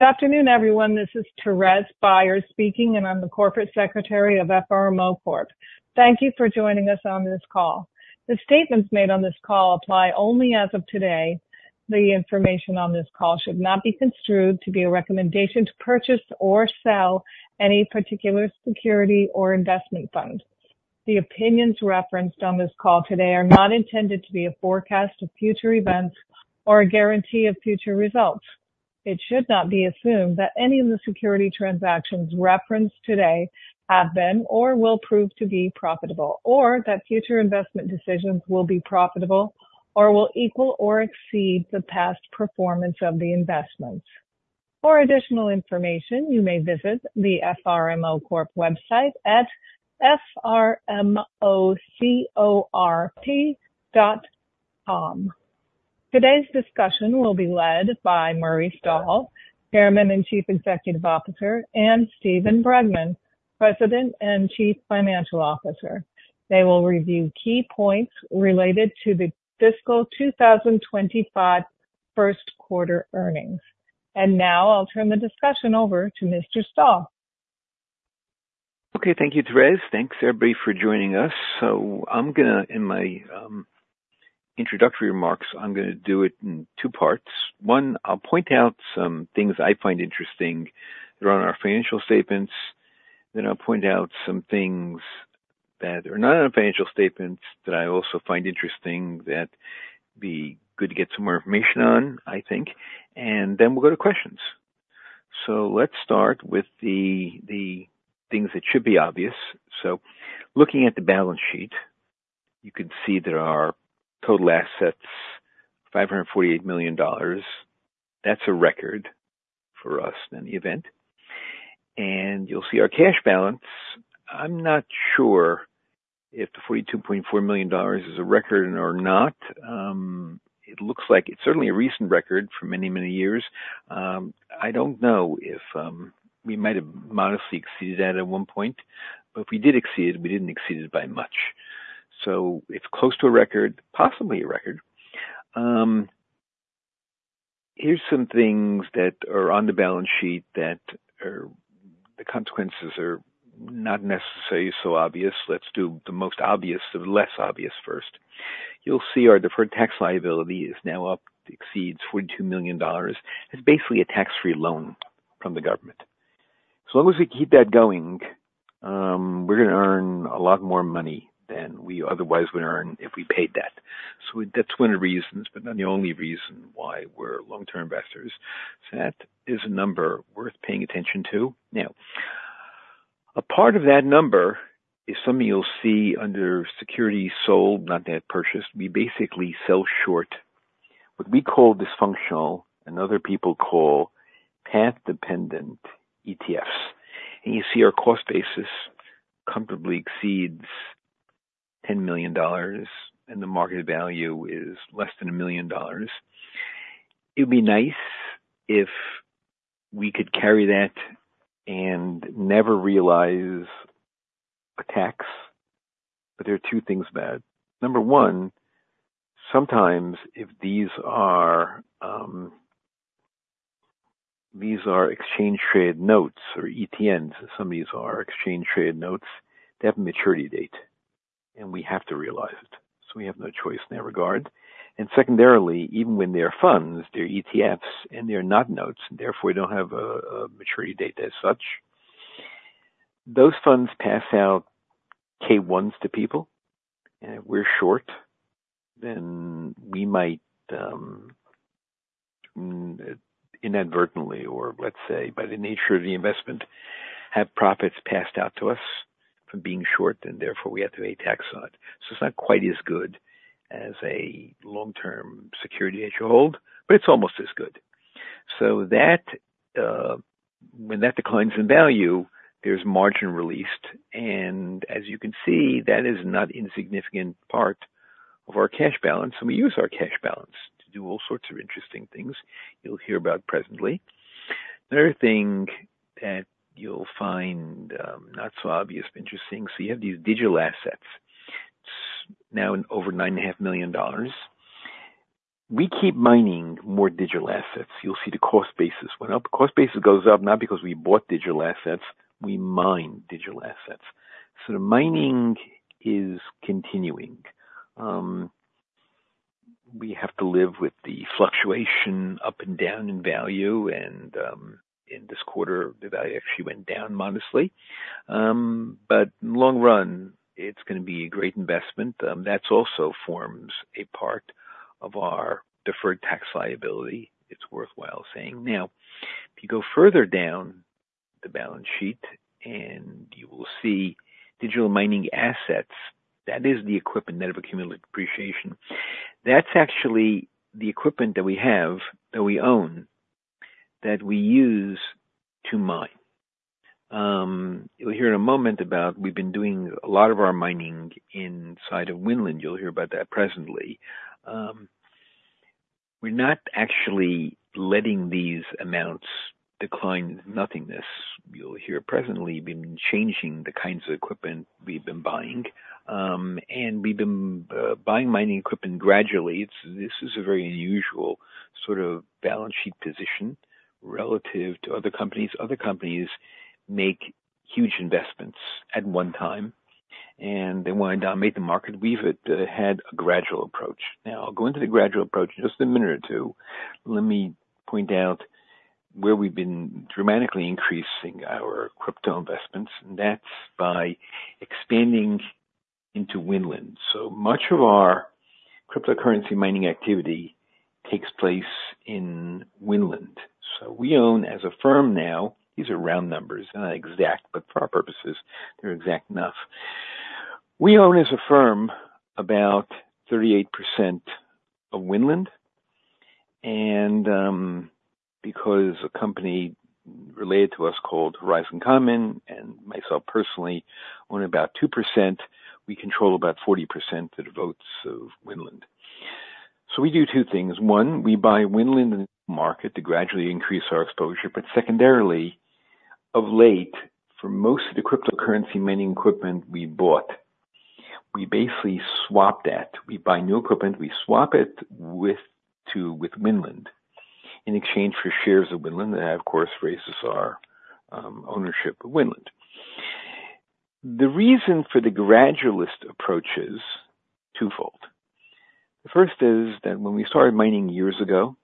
Good afternoon, everyone. This is Therese Byers speaking, and I'm the corporate secretary of FRMO Corp. Thank you for joining us on this call. The statements made on this call apply only as of today. The information on this call should not be construed to be a recommendation to purchase or sell any particular security or investment fund. The opinions referenced on this call today are not intended to be a forecast of future events or a guarantee of future results. It should not be assumed that any of the security transactions referenced today have been or will prove to be profitable, or that future investment decisions will be profitable or will equal or exceed the past performance of the investments. For additional information, you may visit the FRMO Corp website at F-R-M-O-C-O-R-P dot com. Today's discussion will be led by Murray Stahl, Chairman and Chief Executive Officer, and Steven Bregman, President and Chief Financial Officer. They will review key points related to the fiscal 2025 Q1 earnings. Now I'll turn the discussion over to Mr. Stahl. Okay. Thank you, Therese. Thanks, everybody, for joining us. So in my introductory remarks, I'm gonna do it in two parts. One, I'll point out some things I find interesting that are on our financial statements. Then I'll point out some things that are not on our financial statements that I also find interesting, that be good to get some more information on, I think, and then we'll go to questions. So let's start with the things that should be obvious. So looking at the balance sheet, you can see that our total assets, $548 million. That's a record for us in the event, and you'll see our cash balance. I'm not sure if the $42.4 million is a record or not. It looks like it's certainly a recent record for many, many years. I don't know if we might have modestly exceeded that at one point, but if we did exceed it, we didn't exceed it by much. It's close to a record. Possibly a record. Here's some things that are on the balance sheet that are, the consequences are not necessarily so obvious. Let's do the most obvious and less obvious first. You'll see our deferred tax liability is now up to exceed $42 million. It's basically a tax-free loan from the government. So long as we keep that going, we're gonna earn a lot more money than we otherwise would earn if we paid debt. That's one of the reasons, but not the only reason why we're long-term investors. That is a number worth paying attention to. Now, a part of that number is something you'll see under securities sold, not yet purchased. We basically sell short what we call dysfunctional and other people call path-dependent ETFs. And you see our cost basis comfortably exceeds $10 million, and the market value is less than $1 million. It would be nice if we could carry that and never realize a tax, but there are two things bad. Number one, sometimes if these are, these are exchange traded notes or ETNs, some of these are exchange traded notes. They have a maturity date, and we have to realize it, so we have no choice in that regard. And secondarily, even when they are funds, they're ETFs, and they're not notes, and therefore, we don't have a maturity date as such. Those funds pass out K-1s to people, and if we're short, then we might inadvertently, or let's say, by the nature of the investment, have profits passed out to us for being short, and therefore we have to pay tax on it. So it's not quite as good as a long-term security that you hold, but it's almost as good. So that, when that declines in value, there's margin released, and as you can see, that is not insignificant part of our cash balance, and we use our cash balance to do all sorts of interesting things you'll hear about presently. Another thing that you'll find, not so obvious, but interesting. So you have these digital assets now in over $9.5 million. We keep mining more digital assets. You'll see the cost basis went up. The cost basis goes up not because we bought digital assets, we mine digital assets, so the mining is continuing. We have to live with the fluctuation up and down in value, and, in this quarter, the value actually went down modestly, but in the long run it's gonna be a great investment. That's also forms a part of our deferred tax liability. It's worthwhile saying. Now, if you go further down the balance sheet and you will see digital mining assets, that is the equipment that have accumulated depreciation. That's actually the equipment that we have, that we own, that we use to mine. You'll hear in a moment about we've been doing a lot of our mining inside of Winland. You'll hear about that presently. We're not actually letting these amounts decline nothingness. You'll hear presently, been changing the kinds of equipment we've been buying, and we've been buying mining equipment gradually. This is a very unusual sort of balance sheet position relative to other companies. Other companies make huge investments at one time, and they wind up making the market. We've had a gradual approach. Now, I'll go into the gradual approach in just a minute or two. Let me point out where we've been dramatically increasing our crypto investments, and that's by expanding into Winland. So much of our cryptocurrency mining activity takes place in Winland. So we own as a firm now, these are round numbers, not exact, but for our purposes, they're exact enough. We own as a firm about 38% of Winland, and, because a company related to us called Horizon Common and myself personally own about 2%, we control about 40% of the votes of Winland. So we do two things. One, we buy Winland in the market to gradually increase our exposure, but secondarily, of late, for most of the cryptocurrency mining equipment we bought, we basically swap that. We buy new equipment, we swap it with Winland in exchange for shares of Winland, and that, of course, raises our ownership of Winland. The reason for the gradualist approach is twofold. The first is that when we started mining years ago,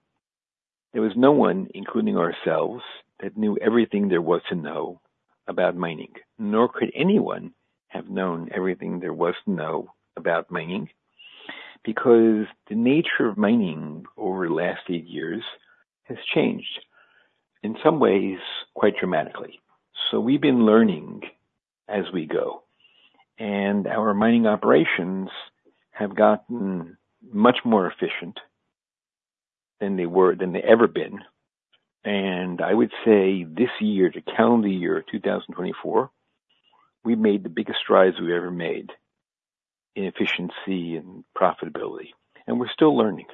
there was no one, including ourselves, that knew everything there was to know about mining, nor could anyone have known everything there was to know about mining, because the nature of mining over the last eight years has changed, in some ways quite dramatically, so we've been learning as we go, and our mining operations have gotten much more efficient than they were, than they've ever been, and I would say this year, the calendar year 2024, we made the biggest strides we've ever made in efficiency and profitability, and we're still learning,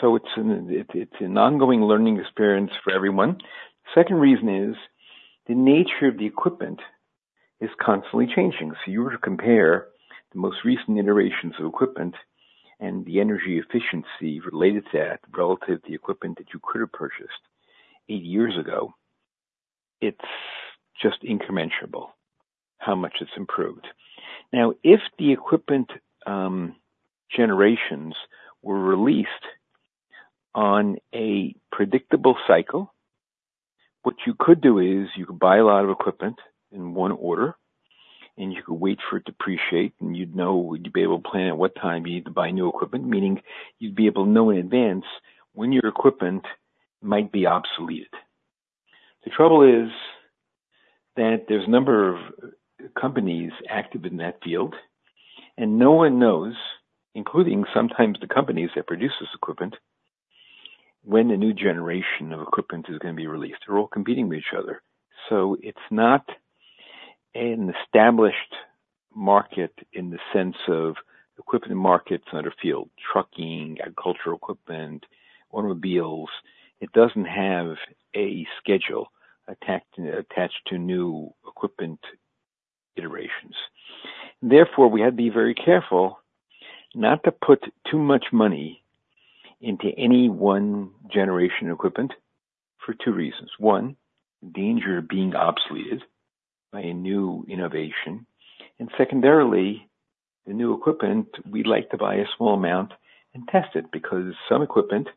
so it's an ongoing learning experience for everyone. Second reason is, the nature of the equipment is constantly changing. So if you were to compare the most recent iterations of equipment and the energy efficiency related to that relative to the equipment that you could have purchased eight years ago, it's just incommensurable how much it's improved. Now, if the equipment generations were released on a predictable cycle, what you could do is you could buy a lot of equipment in one order, and you could wait for it to depreciate, and you'd know, you'd be able to plan at what time you need to buy new equipment, meaning you'd be able to know in advance when your equipment might be obsolete. The trouble is that there's a number of companies active in that field, and no one knows, including sometimes the companies that produce this equipment, when a new generation of equipment is gonna be released. They're all competing with each other. So it's not an established market in the sense of equipment markets under field, trucking, agricultural equipment, automobiles. It doesn't have a schedule attached to new equipment iterations. Therefore, we have to be very careful not to put too much money into any one generation equipment for two reasons: One, the danger of being obsoleted by a new innovation, and secondarily, the new equipment, we like to buy a small amount and test it, because some equipment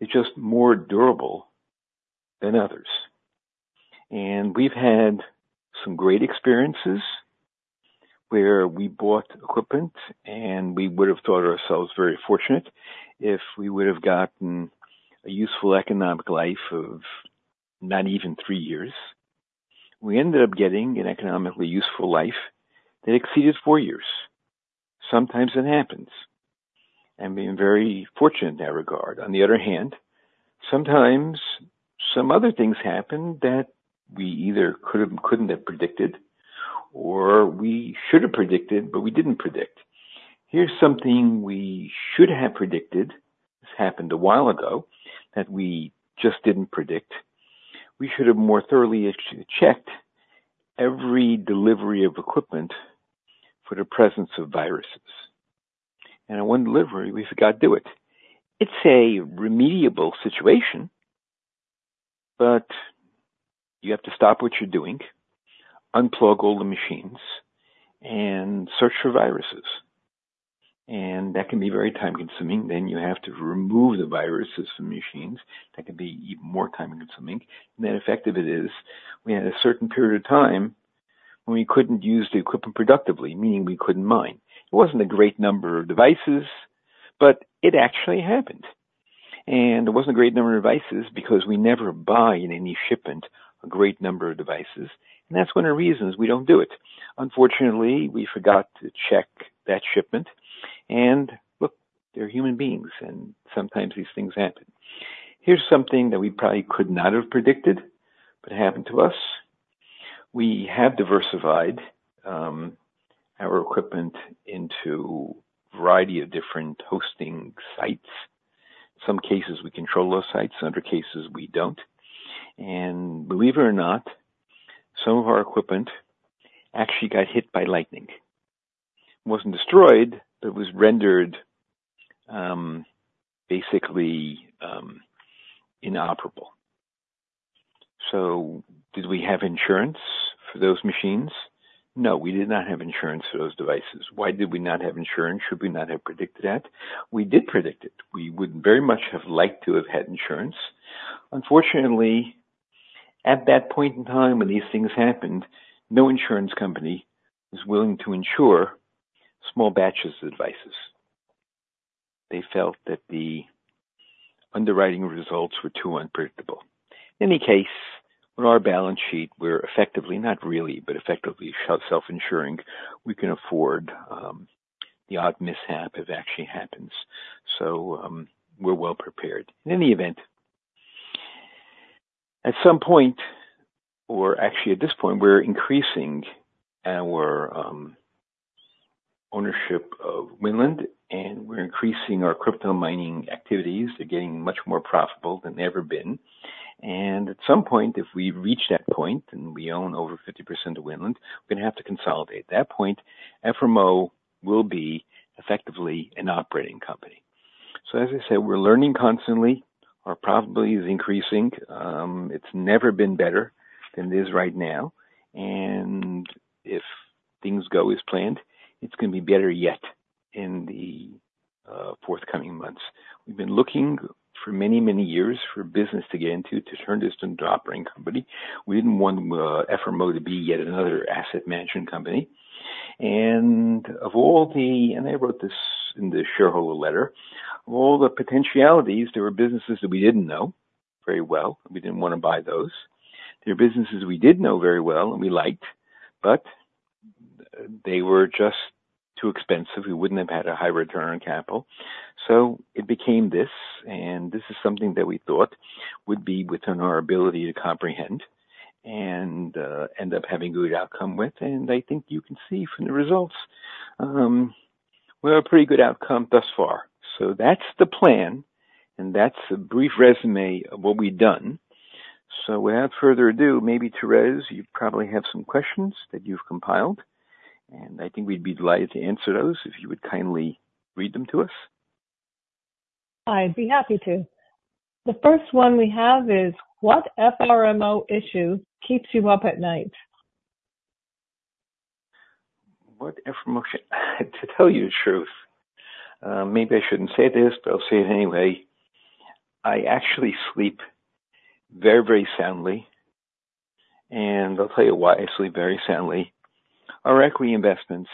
is just more durable than others. And we've had some great experiences where we bought equipment, and we would have thought ourselves very fortunate if we would have gotten a useful economic life of not even three years. We ended up getting an economically useful life that exceeded four years. Sometimes it happens, and we've been very fortunate in that regard. On the other hand, sometimes some other things happen that we either could have, couldn't have predicted or we should have predicted, but we didn't predict. Here's something we should have predicted. This happened a while ago, that we just didn't predict. We should have more thoroughly checked every delivery of equipment for the presence of viruses, and in one delivery, we forgot to do it. It's a remediable situation, but you have to stop what you're doing, unplug all the machines, and search for viruses, and that can be very time-consuming, then you have to remove the viruses from machines, and that can be even more time-consuming. The net effect of it is, we had a certain period of time when we couldn't use the equipment productively, meaning we couldn't mine. It wasn't a great number of devices, but it actually happened, and it wasn't a great number of devices because we never buy in any shipment a great number of devices, and that's one of the reasons we don't do it. Unfortunately, we forgot to check that shipment, and look, they're human beings, and sometimes these things happen. Here's something that we probably could not have predicted, but happened to us. We have diversified our equipment into a variety of different hosting sites. Some cases we control those sites, other cases we don't. And believe it or not, some of our equipment actually got hit by lightning. Wasn't destroyed, but was rendered basically inoperable. So did we have insurance for those machines? No, we did not have insurance for those devices. Why did we not have insurance? Should we not have predicted that? We did predict it. We would very much have liked to have had insurance. Unfortunately, at that point in time when these things happened, no insurance company was willing to insure small batches of devices. They felt that the underwriting results were too unpredictable. In any case, on our balance sheet, we're effectively, not really, but effectively self-insuring. We can afford the odd mishap if it actually happens. We're well prepared. In any event, at some point, or actually at this point, we're increasing our ownership of Winland, and we're increasing our crypto mining activities. They're getting much more profitable than they've ever been, and at some point, if we reach that point and we own over 50% of Winland, we're gonna have to consolidate. At that point, FRMO will be effectively an operating company. As I said, we're learning constantly. Our profitability is increasing. It's never been better than it is right now, and if things go as planned, it's gonna be better yet in the forthcoming months. We've been looking for many, many years for business to get into, to turn this into an operating company. We didn't want FRMO to be yet another asset management company, and of all the, and I wrote this in the shareholder letter, of all the potentialities, there were businesses that we didn't know very well. We didn't wanna buy those. There were businesses we did know very well and we liked, but they were just too expensive. We wouldn't have had a high return on capital. So it became this, and this is something that we thought would be within our ability to comprehend and end up having a good outcome with. And I think you can see from the results, we had a pretty good outcome thus far. So that's the plan, and that's a brief resume of what we've done. So without further ado, maybe, Thérèse, you probably have some questions that you've compiled, and I think we'd be delighted to answer those, if you would kindly read them to us. I'd be happy to. The first one we have is: What FRMO issue keeps you up at night? To tell you the truth, maybe I shouldn't say this, but I'll say it anyway. I actually sleep very, very soundly, and I'll tell you why I sleep very soundly. Our equity investments,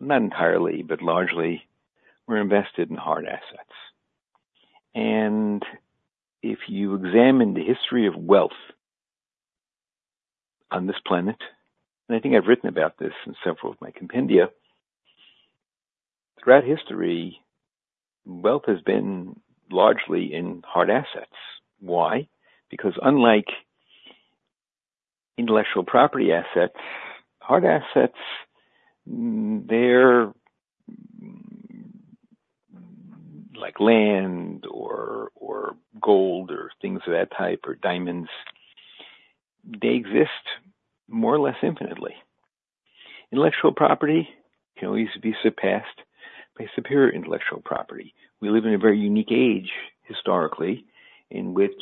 not entirely, but largely, we're invested in hard assets. And if you examine the history of wealth on this planet, and I think I've written about this in several of my compendia, throughout history, wealth has been largely in hard assets. Why? Because unlike intellectual property assets, hard assets, they're like land or gold, or things of that type, or diamonds. They exist more or less infinitely. Intellectual property can always be surpassed by superior intellectual property. We live in a very unique age, historically, in which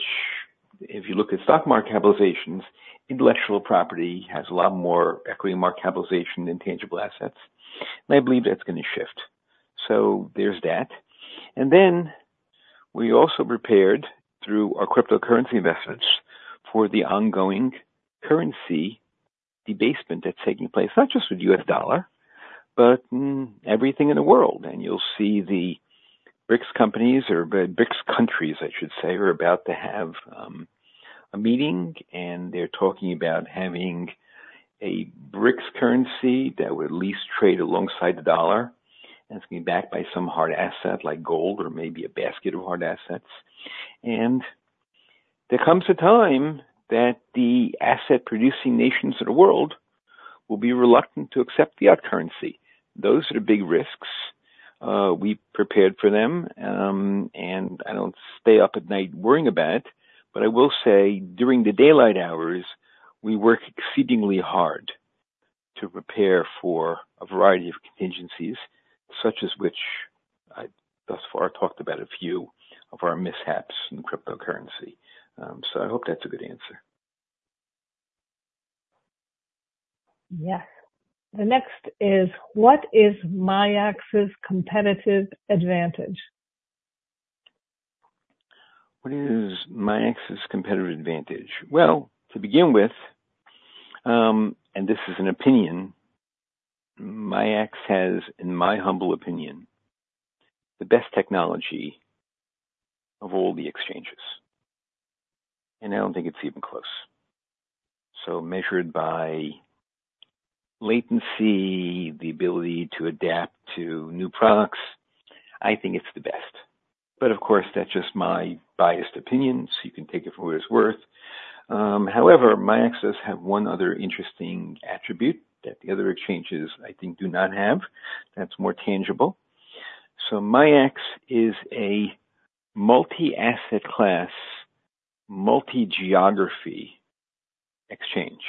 if you look at stock market capitalizations, intellectual property has a lot more equity market capitalization than tangible assets, and I believe that's gonna shift. So there's that. And then, we also prepared, through our cryptocurrency investments, for the ongoing currency debasement that's taking place, not just with U.S. dollar, but, everything in the world. And you'll see the BRICS companies or BRICS countries, I should say, are about to have a meeting, and they're talking about having a BRICS currency that would at least trade alongside the dollar, and it's going to be backed by some hard asset like gold or maybe a basket of hard assets. And there comes a time that the asset-producing nations of the world will be reluctant to accept the odd currency. Those are the big risks. We prepared for them, and I don't stay up at night worrying about it, but I will say, during the daylight hours, we work exceedingly hard to prepare for a variety of contingencies, such as which I thus far talked about a few of our mishaps in cryptocurrency, so I hope that's a good answer. Yes. The next is: What is MIAX's competitive advantage? What is MIAX's competitive advantage? Well, to begin with, and this is an opinion, MIAX has, in my humble opinion, the best technology of all the exchanges, and I don't think it's even close. So measured by latency, the ability to adapt to new products, I think it's the best, but of course, that's just my biased opinions. You can take it for what it's worth. However, MIAX does have one other interesting attribute that the other exchanges, I think, do not have. That's more tangible. So MIAX is a multi-asset class, multi-geography exchange.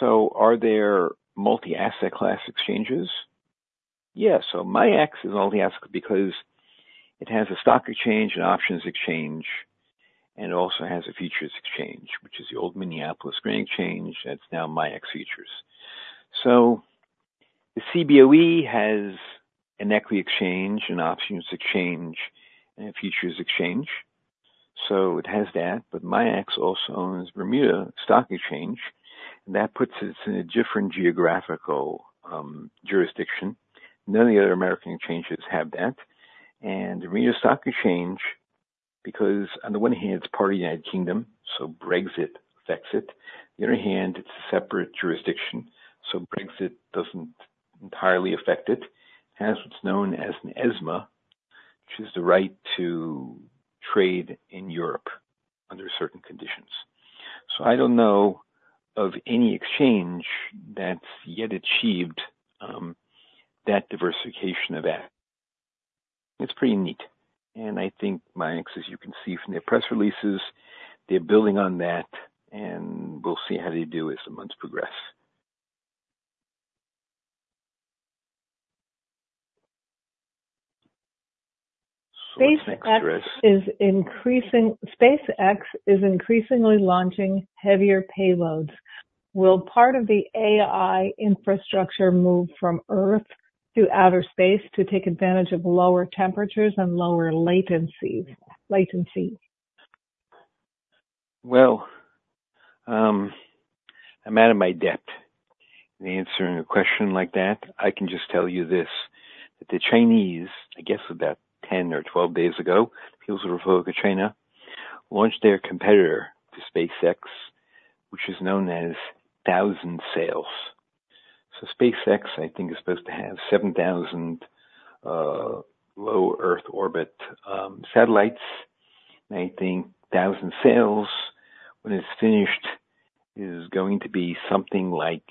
So are there multi-asset class exchanges? Yes. So MIAX is multi-asset because it has a stock exchange, an options exchange, and it also has a futures exchange, which is the old Minneapolis Grain Exchange. That's now MIAX Futures. So the CBOE has an equity exchange, an options exchange, and a futures exchange. So it has that. But MIAX also owns Bermuda Stock Exchange, and that puts us in a different geographical, jurisdiction. None of the other American exchanges have that. And the Bermuda Stock Exchange, because on the one hand, it's part of the United Kingdom, so Brexit affects it. The other hand, it's a separate jurisdiction, so Brexit doesn't entirely affect it. It has what's known as an ESMA, which is the right to trade in Europe under certain conditions. So I don't know of any exchange that's yet achieved that diversification of that. It's pretty neat, and I think MIAX, as you can see from their press releases, they're building on that, and we'll see how they do as the months progress. SpaceX is increasingly launching heavier payloads. Will part of the AI infrastructure move from Earth to outer space to take advantage of lower temperatures and lower latencies? I'm out of my depth in answering a question like that. I can just tell you this, that the Chinese, I guess about 10 or 12 days ago, People's Republic of China, launched their competitor to SpaceX, which is known as Thousand Sails. SpaceX, I think, is supposed to have 7,000 low Earth orbit satellites. I think Thousand Sails, when it's finished, is going to be something like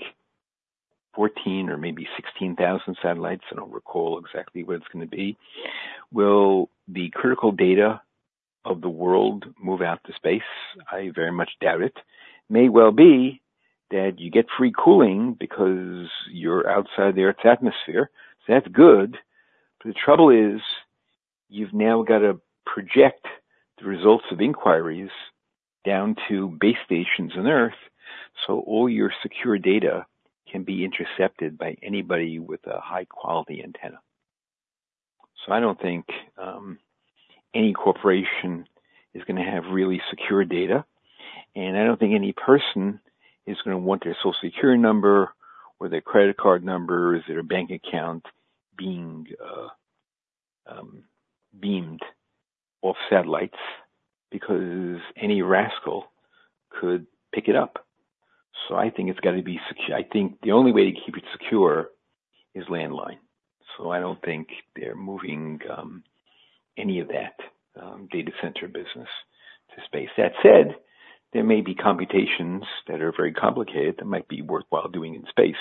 14 or maybe 16 thousand satellites. I don't recall exactly what it's gonna be. Will the critical data of the world move out to space? I very much doubt it. May well be that you get free cooling because you're outside the Earth's atmosphere, so that's good. But the trouble is, you've now got to project the results of inquiries down to base stations on Earth, so all your secure data can be intercepted by anybody with a high-quality antenna. So I don't think any corporation is gonna have really secure data, and I don't think any person is gonna want their Social Security number or their credit card numbers or their bank account being beamed off satellites because any rascal could pick it up. So I think it's got to be secure. I think the only way to keep it secure is landline. So I don't think they're moving any of that data center business to space. That said, there may be computations that are very complicated that might be worthwhile doing in space,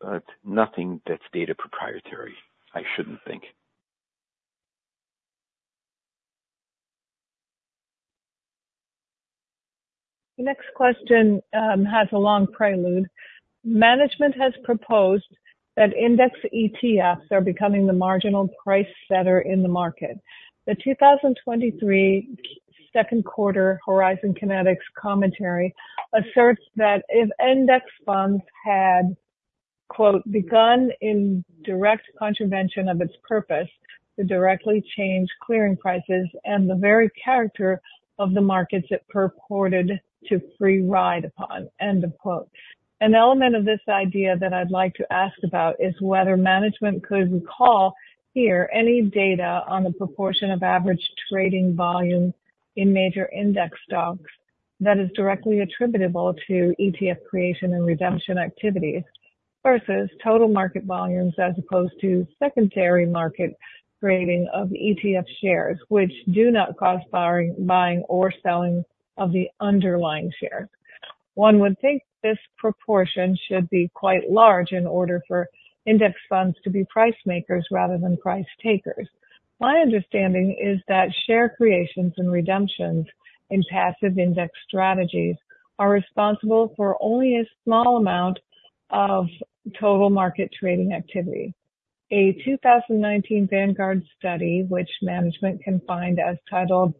but nothing that's data proprietary, I shouldn't think. The next question has a long prelude. Management has proposed that index ETFs are becoming the marginal price setter in the market. The 2023 Q2 Horizon Kinetics commentary asserts that if index funds had, quote, "begun in direct contravention of its purpose to directly change clearing prices and the very character of the markets it purported to free ride upon," end of quote. An element of this idea that I'd like to ask about is whether management could recall here any data on the proportion of average trading volume in major index stocks that is directly attributable to ETF creation and redemption activities, versus total market volumes, as opposed to secondary market trading of ETF shares, which do not cause buying or selling of the underlying shares. One would think this proportion should be quite large in order for index funds to be price makers rather than price takers. My understanding is that share creations and redemptions in passive index strategies are responsible for only a small amount of total market trading activity. A 2019 Vanguard study, which management can find as titled,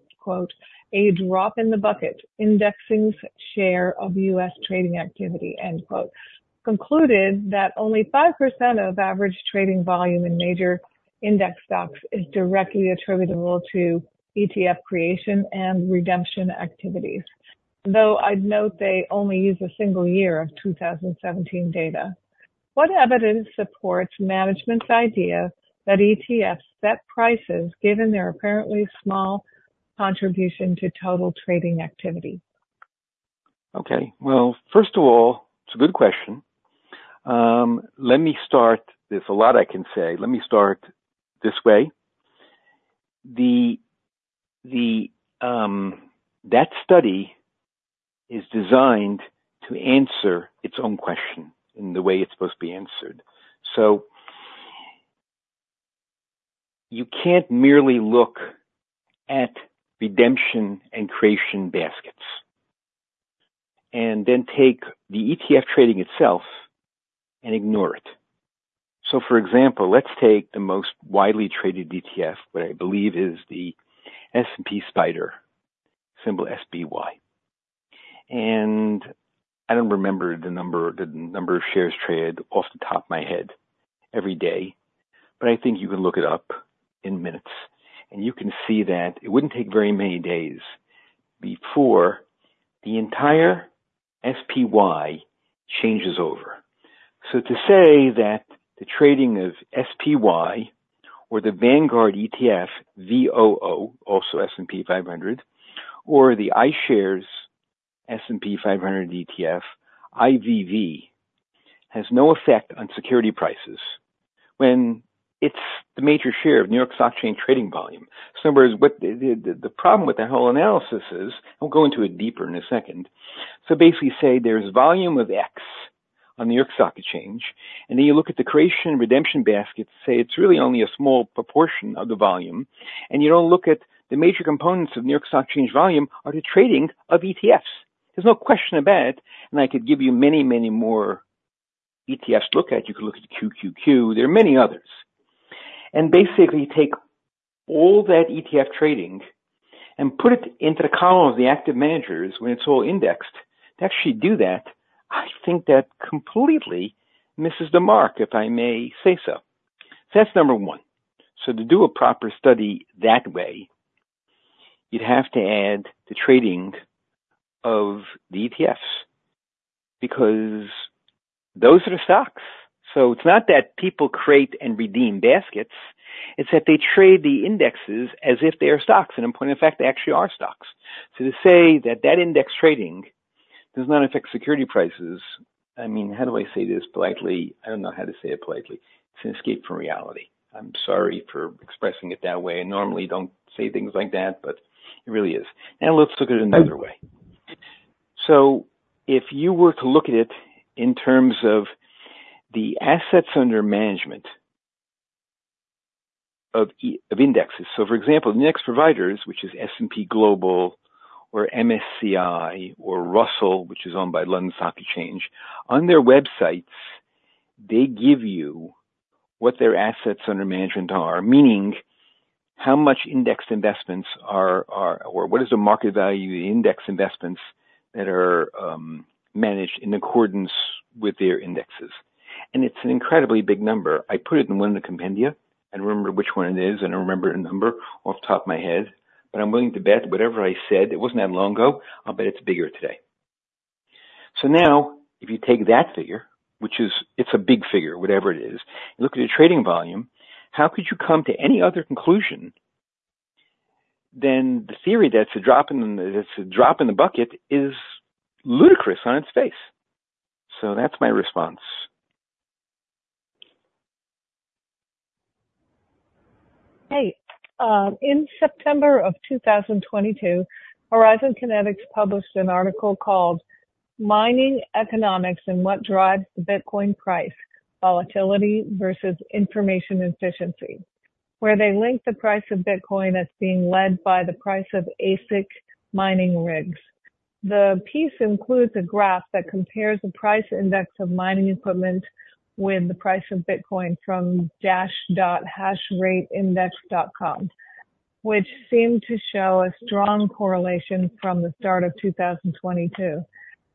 "A Drop in the Bucket: Indexing's Share of U.S. Trading Activity," concluded that only 5% of average trading volume in major index stocks is directly attributable to ETF creation and redemption activities. Though I'd note they only use a single year of 2017 data. What evidence supports management's idea that ETFs set prices, given their apparently small contribution to total trading activity? Okay, well, first of all, it's a good question. Let me start. There's a lot I can say. Let me start this way. That study is designed to answer its own question in the way it's supposed to be answered. So you can't merely look at redemption and creation baskets and then take the ETF trading itself and ignore it. So for example, let's take the most widely traded ETF, what I believe is the S&P SPDR, symbol SPY, and I don't remember the number of shares traded off the top of my head every day, but I think you can look it up in minutes and you can see that it wouldn't take very many days before the entire SPY changes over. So to say that the trading of SPY or the Vanguard ETF, VOO, also S&P 500, or the iShares S&P 500 ETF, IVV, has no effect on security prices when it's the major share of New York Stock Exchange trading volume. So whereas what the problem with that whole analysis is, we'll go into it deeper in a second. So basically, say there's volume of X on New York Stock Exchange, and then you look at the creation and redemption basket, say it's really only a small proportion of the volume, and you don't look at the major components of New York Stock Exchange volume are the trading of ETFs. There's no question about it. And I could give you many, many more ETFs to look at. You could look at QQQ. There are many others. Basically take all that ETF trading and put it into the column of the active managers when it's all indexed. To actually do that, I think that completely misses the mark, if I may say so. That's number one. To do a proper study that way, you'd have to add the trading of the ETFs, because those are the stocks. It's not that people create and redeem baskets, it's that they trade the indexes as if they are stocks, and in point of fact, they actually are stocks. To say that that index trading does not affect security prices, I mean, how do I say this politely? I don't know how to say it politely. It's an escape from reality. I'm sorry for expressing it that way. I normally don't say things like that, but it really is. Now, let's look at it another way. So if you were to look at it in terms of the assets under management of indexes. So for example, the index providers, which is S&P Global or MSCI or Russell, which is owned by London Stock Exchange, on their websites, they give you what their assets under management are, meaning how much index investments are or what is the market value of the index investments that are managed in accordance with their indexes. And it's an incredibly big number. I put it in one of the compendia. I remember which one it is, I don't remember the number off the top of my head, but I'm willing to bet whatever I said, it wasn't that long ago, I'll bet it's bigger today. So now, if you take that figure, which is, it's a big figure, whatever it is, you look at the trading volume. How could you come to any other conclusion than the theory that's a drop in the bucket is ludicrous on its face? So that's my response. Hey, in September of 2022, Horizon Kinetics published an article called Mining Economics and What Drives the Bitcoin Price: Volatility versus Information Efficiency, where they link the price of Bitcoin as being led by the price of ASIC mining rigs. The piece includes a graph that compares the price index of mining equipment with the price of Bitcoin from hashrateindex.com, which seemed to show a strong correlation from the start of 2022.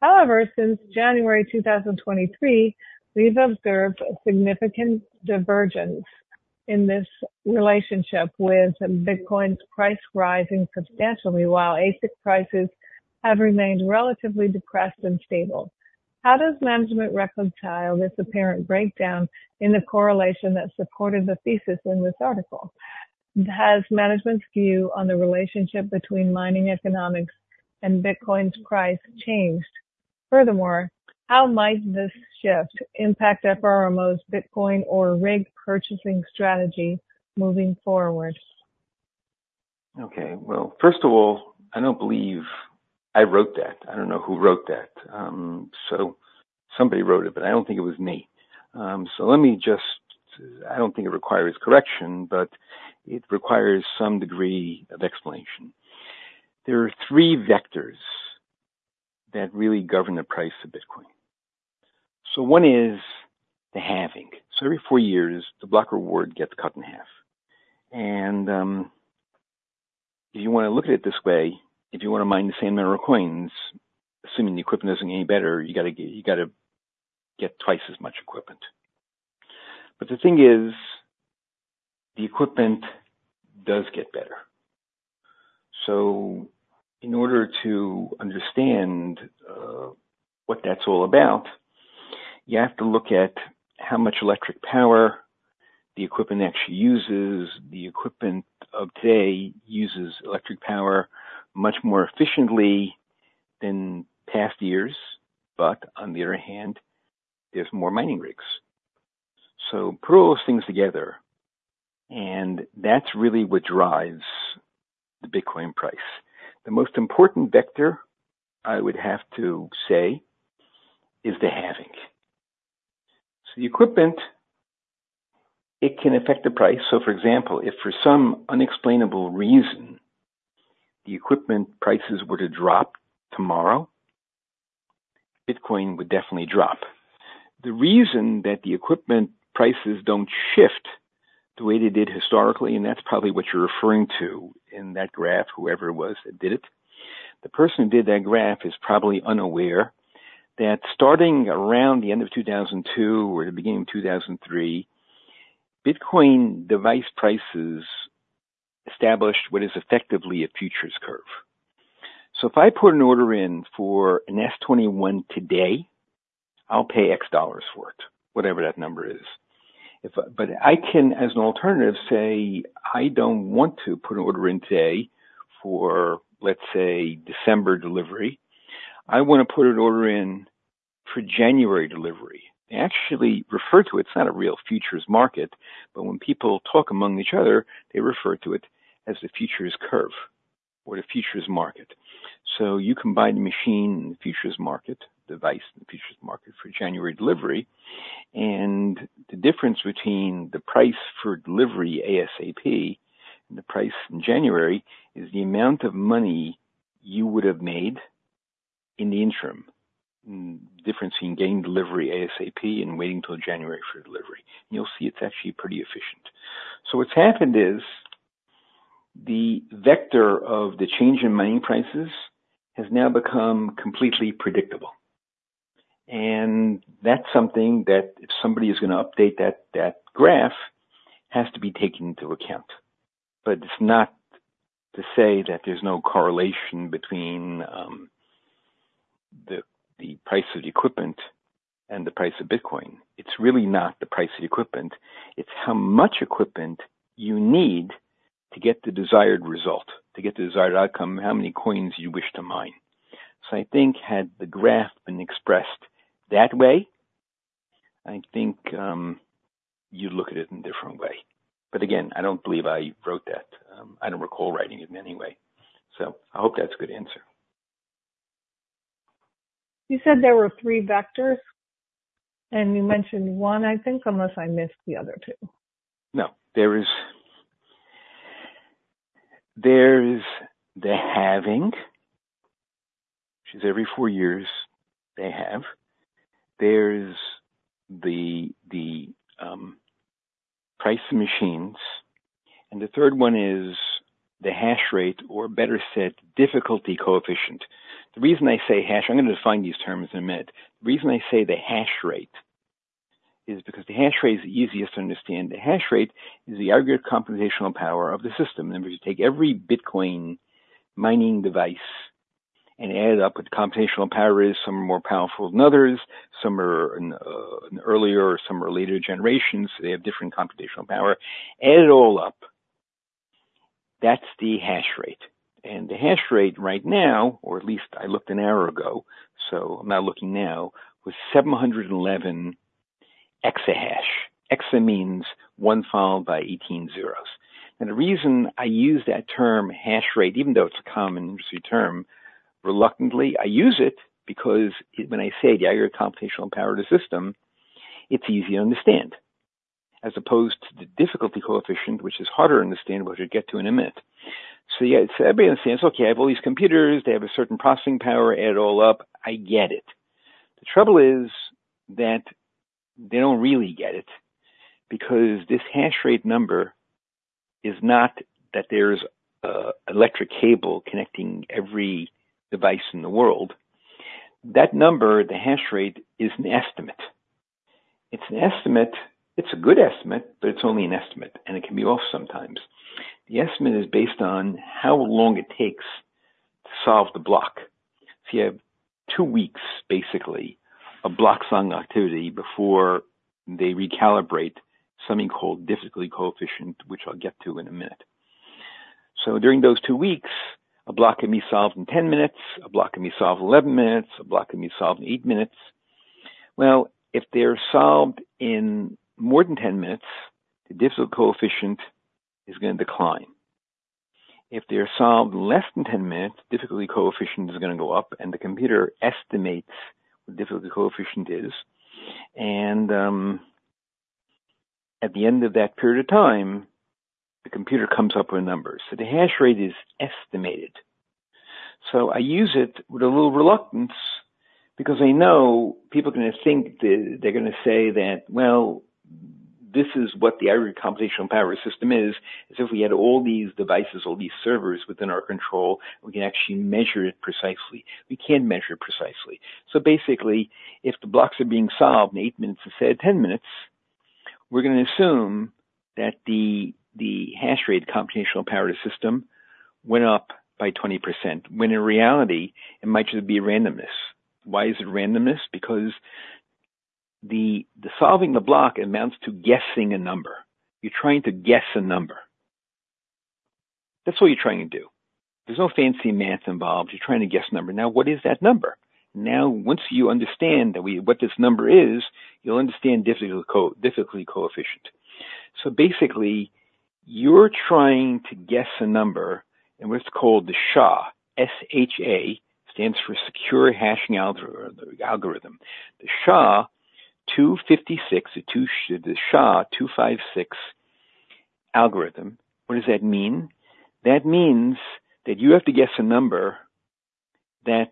However, since January 2023, we've observed a significant divergence in this relationship, with Bitcoin's price rising substantially, while ASIC prices have remained relatively depressed and stable. How does management reconcile this apparent breakdown in the correlation that supported the thesis in this article? Has management's view on the relationship between mining economics and Bitcoin's price changed? Furthermore, how might this shift impact FRMO's Bitcoin or rig purchasing strategy moving forward? Okay, well, first of all, I don't believe I wrote that. I don't know who wrote that. So somebody wrote it, but I don't think it was me. So let me just. I don't think it requires correction, but it requires some degree of explanation. There are three vectors that really govern the price of Bitcoin. So one is the halving. So every four years, the block reward gets cut in half. And, if you want to look at it this way, if you want to mine the same amount of coins, assuming the equipment isn't any better, you gotta get, you gotta get twice as much equipment. But the thing is, the equipment does get better. So in order to understand, what that's all about, you have to look at how much electric power the equipment actually uses. The equipment of today uses electric power much more efficiently than past years, but on the other hand, there's more mining rigs. So put all those things together, and that's really what drives the Bitcoin price. The most important vector, I would have to say, is the halving. So the equipment, it can affect the price. So for example, if for some unexplainable reason, the equipment prices were to drop tomorrow, Bitcoin would definitely drop. The reason that the equipment prices don't shift the way they did historically, and that's probably what you're referring to in that graph, whoever it was that did it. The person who did that graph is probably unaware that starting around the end of 2002 or the beginning of 2003, Bitcoin device prices established what is effectively a futures curve. So if I put an order in for an S21 today, I'll pay $X for it, whatever that number is. If I... But I can, as an alternative, say, I don't want to put an order in today for, let's say, December delivery. I want to put an order in for January delivery. They actually refer to it, it's not a real futures market, but when people talk among each other, they refer to it as the futures curve or the futures market. So you combine the machine and the futures market, device and the futures market for January delivery, and the difference between the price for delivery ASAP and the price in January, is the amount of money you would have made in the interim. Difference in getting delivery ASAP and waiting till January for delivery. You'll see it's actually pretty efficient. So what's happened is, the vector of the change in mining prices has now become completely predictable, and that's something that if somebody is gonna update that, that graph, has to be taken into account. But it's not to say that there's no correlation between the price of the equipment and the price of Bitcoin. It's really not the price of the equipment, it's how much equipment you need to get the desired result, to get the desired outcome, how many coins you wish to mine. So I think had the graph been expressed that way, I think you'd look at it in a different way. But again, I don't believe I wrote that. I don't recall writing it anyway, so I hope that's a good answer. You said there were three vectors, and you mentioned one, I think, unless I missed the other two. No, there is, there's the halving, which is every four years they have. There's the price of machines, and the third one is the hash rate, or better said, difficulty coefficient. The reason I say hash, I'm gonna define these terms in a minute. The reason I say the hash rate is because the hash rate is the easiest to understand. The hash rate is the aggregate computational power of the system. Remember, you take every Bitcoin mining device and add it up with the computational power. Some are more powerful than others, some are earlier or some are later generations. They have different computational power. Add it all up. That's the hash rate. The hash rate right now, or at least I looked an hour ago, so I'm not looking now, was 711 exahash. Exa means one followed by 18 zeros. And the reason I use that term, hash rate, even though it's a common industry term, reluctantly, I use it because when I say the aggregate computational power of the system, it's easy to understand, as opposed to the difficulty coefficient, which is harder to understand, which I'll get to in a minute. So yeah, everybody says, "Okay, I have all these computers, they have a certain processing power. Add it all up. I get it." The trouble is that they don't really get it, because this hash rate number is not that there's a electric cable connecting every device in the world. That number, the hash rate, is an estimate. It's an estimate. It's a good estimate, but it's only an estimate, and it can be off sometimes. The estimate is based on how long it takes to solve the block. You have two weeks, basically, of block solving activity before they recalibrate something called difficulty coefficient, which I'll get to in a minute. During those two weeks, a block can be solved in 10 minutes, a block can be solved in 11 minutes, a block can be solved in 8 minutes. Well, if they're solved in more than 10 minutes, the difficulty coefficient is gonna decline. If they're solved in less than 10 minutes, difficulty coefficient is gonna go up and the computer estimates what the difficulty coefficient is. And at the end of that period of time, the computer comes up with a number. The hash rate is estimated. I use it with a little reluctance because I know people are gonna think that. They're gonna say that, "Well, this is what the aggregate computational power system is. As if we had all these devices or these servers within our control, we can actually measure it precisely." We can't measure it precisely. So basically, if the blocks are being solved in eight minutes instead of 10 minutes, we're gonna assume that the hash rate computational power system went up by 20%, when in reality it might just be randomness. Why is it randomness? Because solving the block amounts to guessing a number. You're trying to guess a number. That's what you're trying to do. There's no fancy math involved. You're trying to guess a number. Now, what is that number? Now, once you understand that we, what this number is, you'll understand difficulty coefficient. So basically, you're trying to guess a number and what's called the SHA. S-H-A stands for Secure Hashing Algorithm. The SHA-256, the SHA-256 algorithm. What does that mean? That means that you have to guess a number that's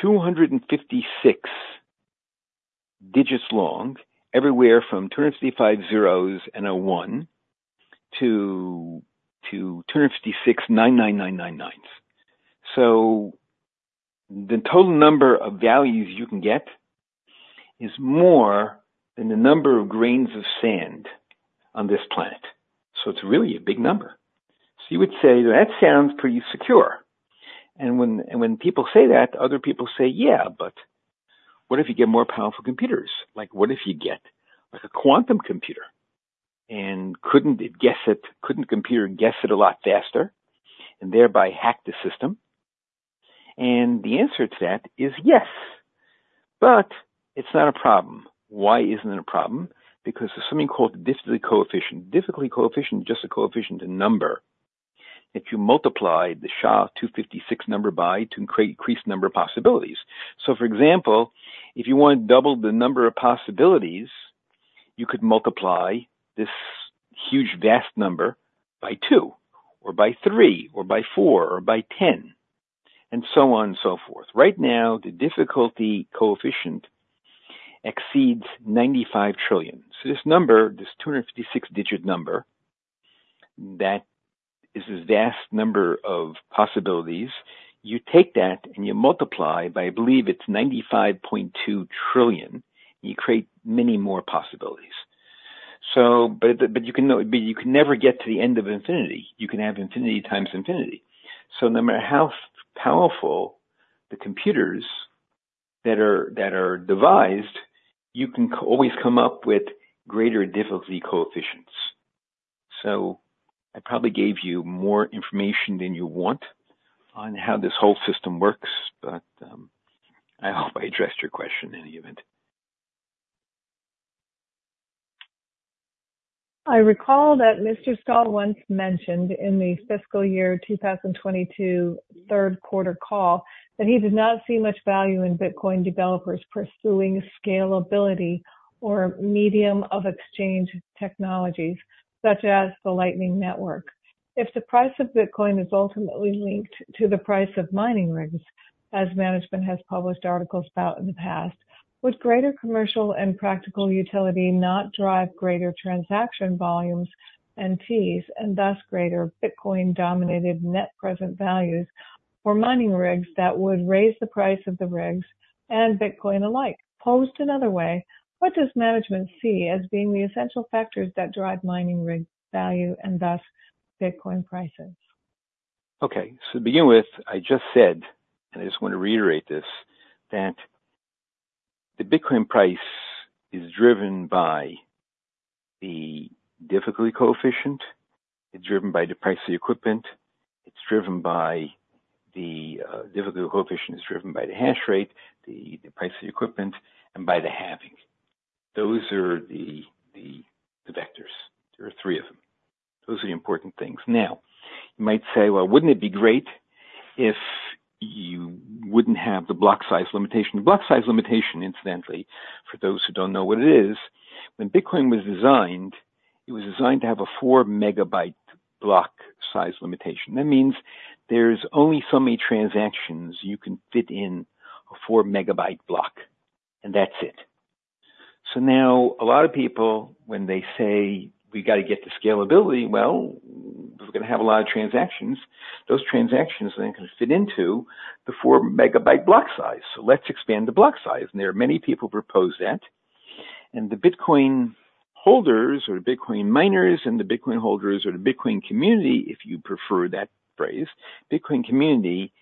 256 digits long, everywhere from two hundred and fifty-five zeros and a one to two hundred and fifty-six nine, nine, nine, nine, nine, nines. So the total number of values you can get is more than the number of grains of sand on this planet. So you would say, "That sounds pretty secure," and when people say that, other people say, "Yeah, but what if you get more powerful computers? Like, what if you get, like, a quantum computer and couldn't it guess it, couldn't the computer guess it a lot faster and thereby hack the system?", and the answer to that is yes, but it's not a problem. Why isn't it a problem? Because there's something called the difficulty coefficient. Difficulty coefficient is just a coefficient, a number that you multiply the SHA-256 number by to create increased number of possibilities. So, for example, if you want to double the number of possibilities, you could multiply this huge, vast number by two or by three, or by four, or by 10, and so on and so forth. Right now, the difficulty coefficient exceeds 95 trillion. So this number, this two hundred and fifty-six digit number, that is a vast number of possibilities. You take that and you multiply by, I believe it's 95.2 trillion, and you create many more possibilities. So, but you can never get to the end of infinity. You can have infinity times infinity. So no matter how powerful the computers that are devised, you can always come up with greater difficulty coefficients. So I probably gave you more information than you want on how this whole system works, but I hope I addressed your question in any event. I recall that Mr. Stahl once mentioned in the fiscal year 2022 Q3 call that he does not see much value in Bitcoin developers pursuing scalability or medium of exchange technologies such as the Lightning Network. If the price of Bitcoin is ultimately linked to the price of mining rigs, as management has published articles about in the past, would greater commercial and practical utility not drive greater transaction volumes and fees, and thus greater Bitcoin-dominated net present values for mining rigs that would raise the price of the rigs and Bitcoin alike? Posed another way, what does management see as being the essential factors that drive mining rig value and thus Bitcoin prices? Okay. So to begin with, I just said, and I just want to reiterate this, that the Bitcoin price is driven by the difficulty coefficient. It's driven by the price of the equipment. It's driven by the difficulty coefficient, which is driven by the hash rate, the price of the equipment, and by the halving. Those are the vectors. There are three of them. Those are the important things. Now, you might say, "Well, wouldn't it be great if you wouldn't have the block size limitation?" The block size limitation, incidentally, for those who don't know what it is, when Bitcoin was designed, it was designed to have a four-megabyte block size limitation. That means there's only so many transactions you can fit in a four-megabyte block, and that's it. So now a lot of people, when they say, "We got to get to scalability," well, we're gonna have a lot of transactions. Those transactions then can fit into the four-megabyte block size. So let's expand the block size, and there are many people who propose that. And the Bitcoin holders or the Bitcoin miners and the Bitcoin holders or the Bitcoin community, if you prefer that phrase, Bitcoin community,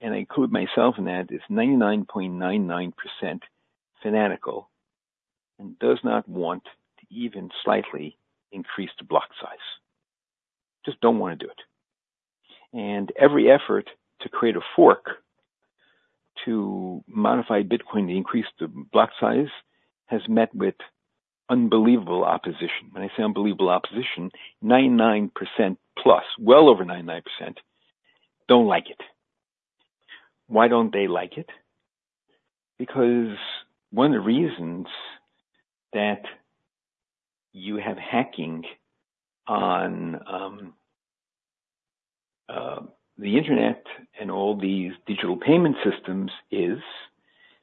and I include myself in that, is 99.99% fanatical and does not want to even slightly increase the block size. Just don't wanna do it. And every effort to create a fork to modify Bitcoin to increase the block size has met with unbelievable opposition. When I say unbelievable opposition, 99% plus, well over 99%, don't like it. Why don't they like it? Because one of the reasons that you have hacking on the internet and all these digital payment systems is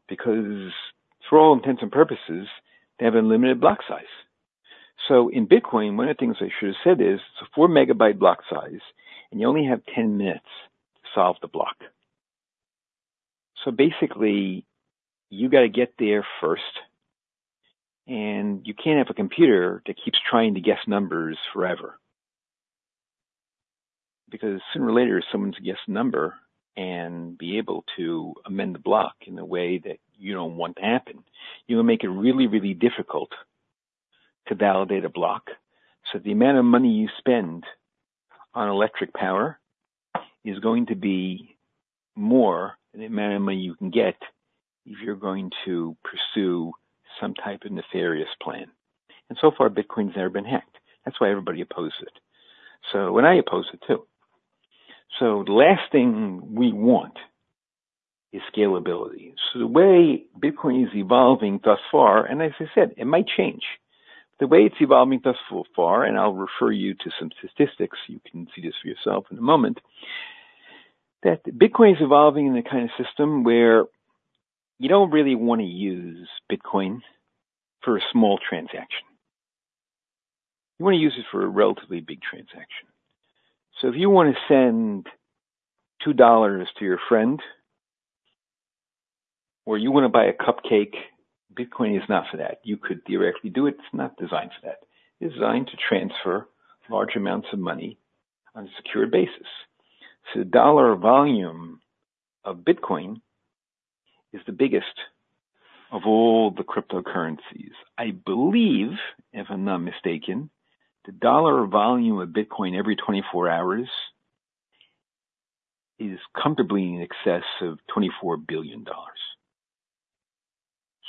because for all intents and purposes, they have a limited block size. So in Bitcoin, one of the things I should have said is, it's a four-megabyte block size, and you only have 10 minutes to solve the block. So basically, you gotta get there first, and you can't have a computer that keeps trying to guess numbers forever. Because sooner or later, someone's gonna guess a number and be able to amend the block in a way that you don't want to happen. You're gonna make it really, really difficult to validate a block. So the amount of money you spend on electric power is going to be more than the amount of money you can get if you're going to pursue some type of nefarious plan. And so far, Bitcoin has never been hacked. That's why everybody opposes it. So and I oppose it, too. So the last thing we want is scalability. So the way Bitcoin is evolving thus far, and as I said, it might change. The way it's evolving thus so far, and I'll refer you to some statistics, you can see this for yourself in a moment, that Bitcoin is evolving in a kind of system where you don't really wanna use Bitcoin for a small transaction. You wanna use it for a relatively big transaction. So if you wanna send $2 to your friend, or you wanna buy a cupcake, Bitcoin is not for that. You could theoretically do it. It's not designed for that. It's designed to transfer large amounts of money on a secure basis. So the dollar volume of Bitcoin is the biggest of all the cryptocurrencies. I believe, if I'm not mistaken, the dollar volume of Bitcoin every 24 hours is comfortably in excess of $24 billion.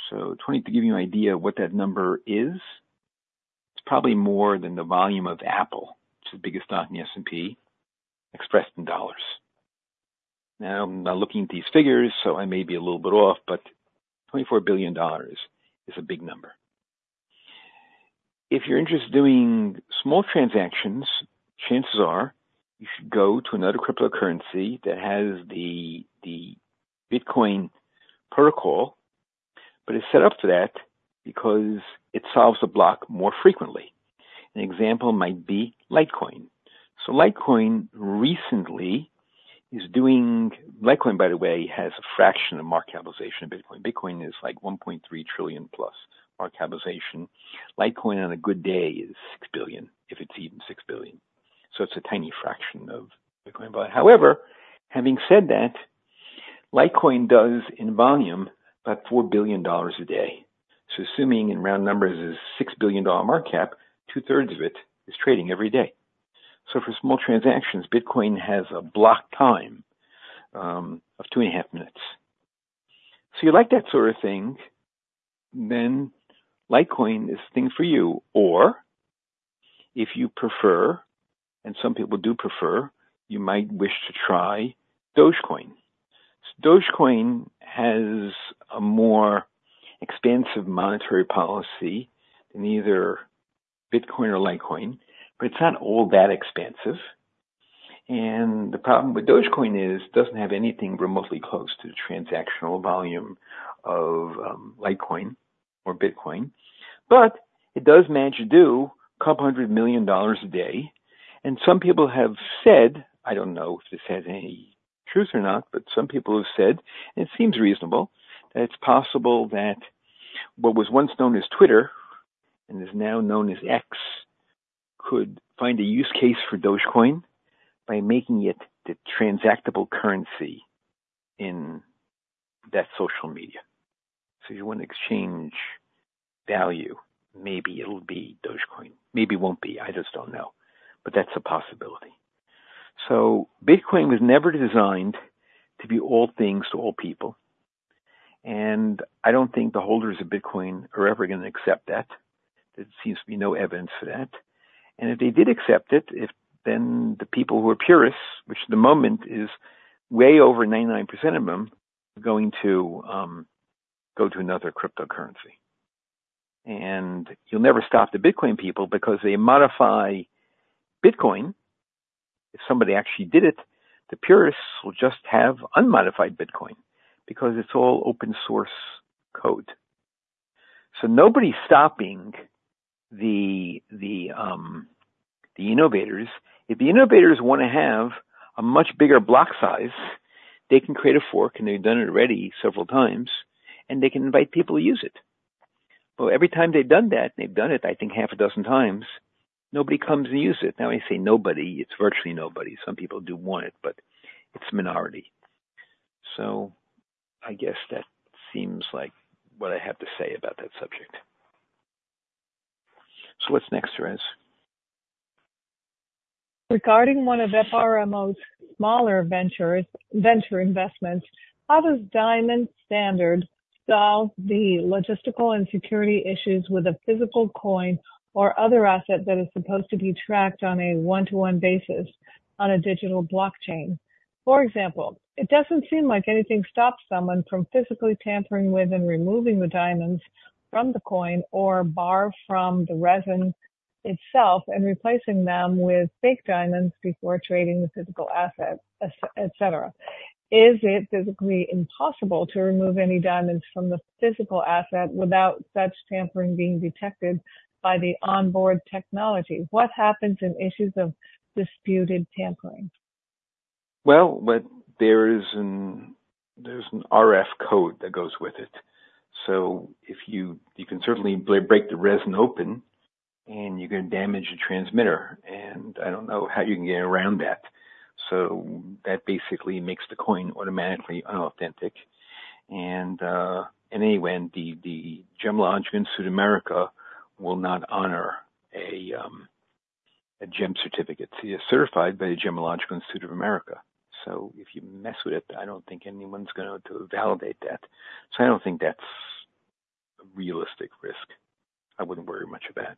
To give you an idea of what that number is, it's probably more than the volume of Apple, which is the biggest stock in the S&P, expressed in dollars. Now, I'm not looking at these figures, so I may be a little bit off, but $24 billion is a big number. If you're interested in doing small transactions, chances are you should go to another cryptocurrency that has the Bitcoin protocol, but it's set up for that because it solves the block more frequently. An example might be Litecoin, so Litecoin recently is doing... Litecoin, by the way, has a fraction of market capitalization of Bitcoin. Bitcoin is like $1.3 trillion plus market capitalization. Litecoin on a good day is $6 billion, if it's even $6 billion. So it's a tiny fraction of Bitcoin. But however, having said that, Litecoin does in volume about $4 billion a day. So assuming in round numbers is $6 billion market cap, two-thirds of it is trading every day. So for small transactions, Bitcoin has a block time of two and a half minutes. So you like that sort of thing, then Litecoin is the thing for you. Or if you prefer, and some people do prefer, you might wish to try Dogecoin. So Dogecoin has a more expansive monetary policy than either Bitcoin or Litecoin, but it's not all that expansive. And the problem with Dogecoin is, doesn't have anything remotely close to the transactional volume of Litecoin or Bitcoin, but it does manage to do a couple hundred million dollars a day. Some people have said, I don't know if this has any truth or not, but some people have said it seems reasonable that it's possible that what was once known as Twitter and is now known as X could find a use case for Dogecoin by making it the transactable currency in that social media. So you wanna exchange value, maybe it'll be Dogecoin, maybe it won't be. I just don't know. But that's a possibility. Bitcoin was never designed to be all things to all people, and I don't think the holders of Bitcoin are ever gonna accept that. There seems to be no evidence for that. If they did accept it, if then the people who are purists, which at the moment is way over 99% of them, are going to go to another cryptocurrency. And you'll never stop the Bitcoin people because they modify Bitcoin. If somebody actually did it, the purists will just have unmodified Bitcoin because it's all open source code. So nobody's stopping the innovators. If the innovators wanna have a much bigger block size, they can create a fork, and they've done it already several times, and they can invite people to use it. But every time they've done that, and they've done it, I think, half a dozen times, nobody comes and use it. Now, I say nobody, it's virtually nobody. Some people do want it, but it's minority. So I guess that seems like what I have to say about that subject. So what's next, Therese? Regarding one of FRMO's smaller ventures, venture investments, how does Diamond Standard solve the logistical and security issues with a physical coin or other asset that is supposed to be tracked on a one-to-one basis on a digital blockchain? For example, it doesn't seem like anything stops someone from physically tampering with and removing the diamonds from the coin or bar from the resin itself and replacing them with fake diamonds before trading the physical asset, etc. Is it physically impossible to remove any diamonds from the physical asset without such tampering being detected by the onboard technology? What happens in issues of disputed tampering? But there is an RF code that goes with it. So if you can certainly break the resin open and you're gonna damage the transmitter, and I don't know how you can get around that. So that basically makes the coin automatically unauthentic. And anyway, the Gemological Institute of America will not honor a gem certificate. It is certified by the Gemological Institute of America, so if you mess with it, I don't think anyone's going to validate that. So I don't think that's a realistic risk. I wouldn't worry much of that.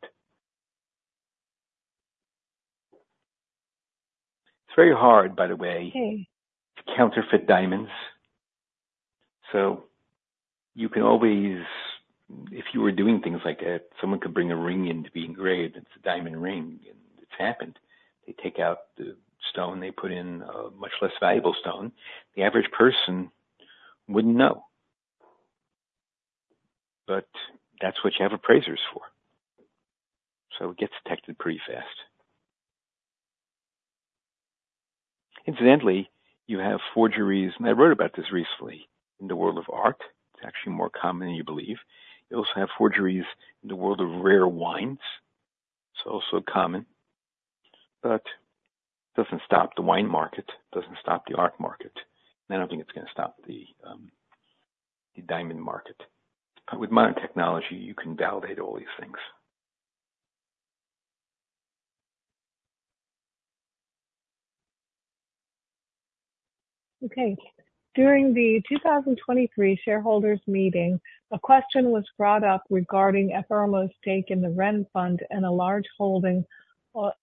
It's very hard, by the way, to counterfeit diamonds, so you can always. If you were doing things like, someone could bring a ring in to be engraved, it's a diamond ring, and it's happened. They take out the stone, they put in a much less valuable stone. The average person wouldn't know, but that's what you have appraisers for, so it gets detected pretty fast. Incidentally, you have forgeries, and I wrote about this recently in the world of art. It's actually more common than you believe. You also have forgeries in the world of rare wines. It's also common, but doesn't stop the wine market, doesn't stop the art market, and I don't think it's gonna stop the diamond market. With modern technology, you can validate all these things. Okay. During the 2023 shareholders meeting, a question was brought up regarding FRMO's stake in the RENN Fund and a large holding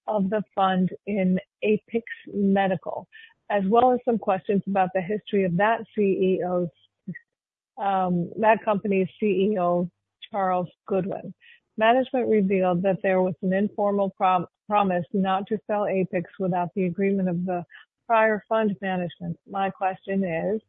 of the fund in Apyx Medical, as well as some questions about the history of that CEO's, that company's CEO, Charles Goodwin. Management revealed that there was an informal promise not to sell Apyx without the agreement of the prior fund management. My question is: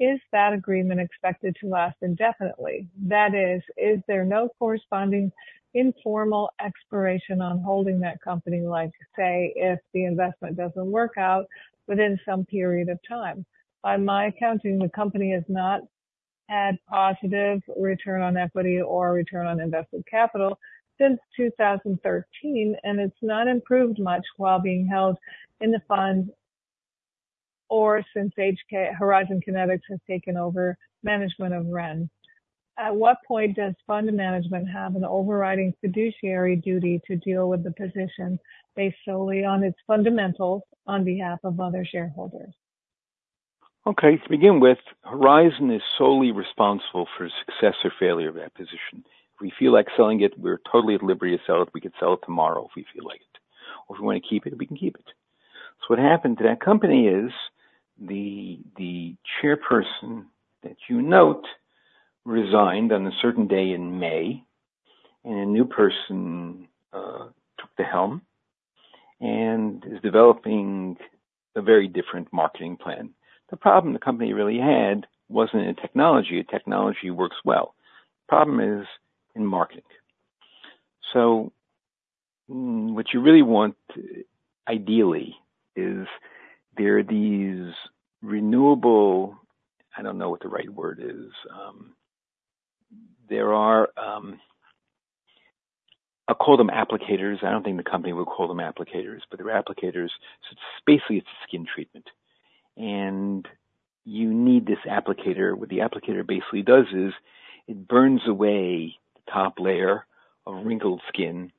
Is that agreement expected to last indefinitely? That is, is there no corresponding informal expiration on holding that company, like, say, if the investment doesn't work out within some period of time? By my accounting, the company has not had positive return on equity or return on invested capital since 2013, and it's not improved much while being held in the fund or since HK, Horizon Kinetics, has taken over management of RENN. At what point does fund management have an overriding fiduciary duty to deal with the position based solely on its fundamentals on behalf of other shareholders? Okay, to begin with, Horizon is solely responsible for success or failure of that position. If we feel like selling it, we're totally at liberty to sell it. We could sell it tomorrow if we feel like it, or if we want to keep it, we can keep it. So what happened to that company is the chairperson that you note resigned on a certain day in May, and a new person took the helm and is developing a very different marketing plan. The problem the company really had wasn't in technology. The technology works well. The problem is in marketing. So, what you really want ideally is there are these renewable... I don't know what the right word is. There are, I'll call them applicators. I don't think the company would call them applicators, but they're applicators. It's basically, it's a skin treatment, and you need this applicator. What the applicator basically does is it burns away the top layer of wrinkled skin,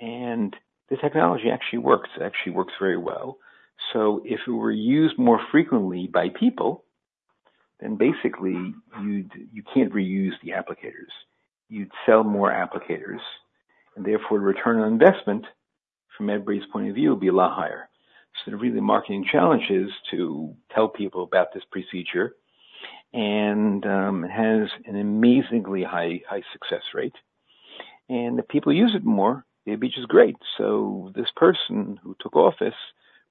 and the technology actually works. It actually works very well. So if it were used more frequently by people, then basically you can't reuse the applicators. You'd sell more applicators, and therefore, the return on investment from everybody's point of view, would be a lot higher. So the real marketing challenge is to tell people about this procedure, and it has an amazingly high success rate, and if people use it more, it'll be just great. So this person who took office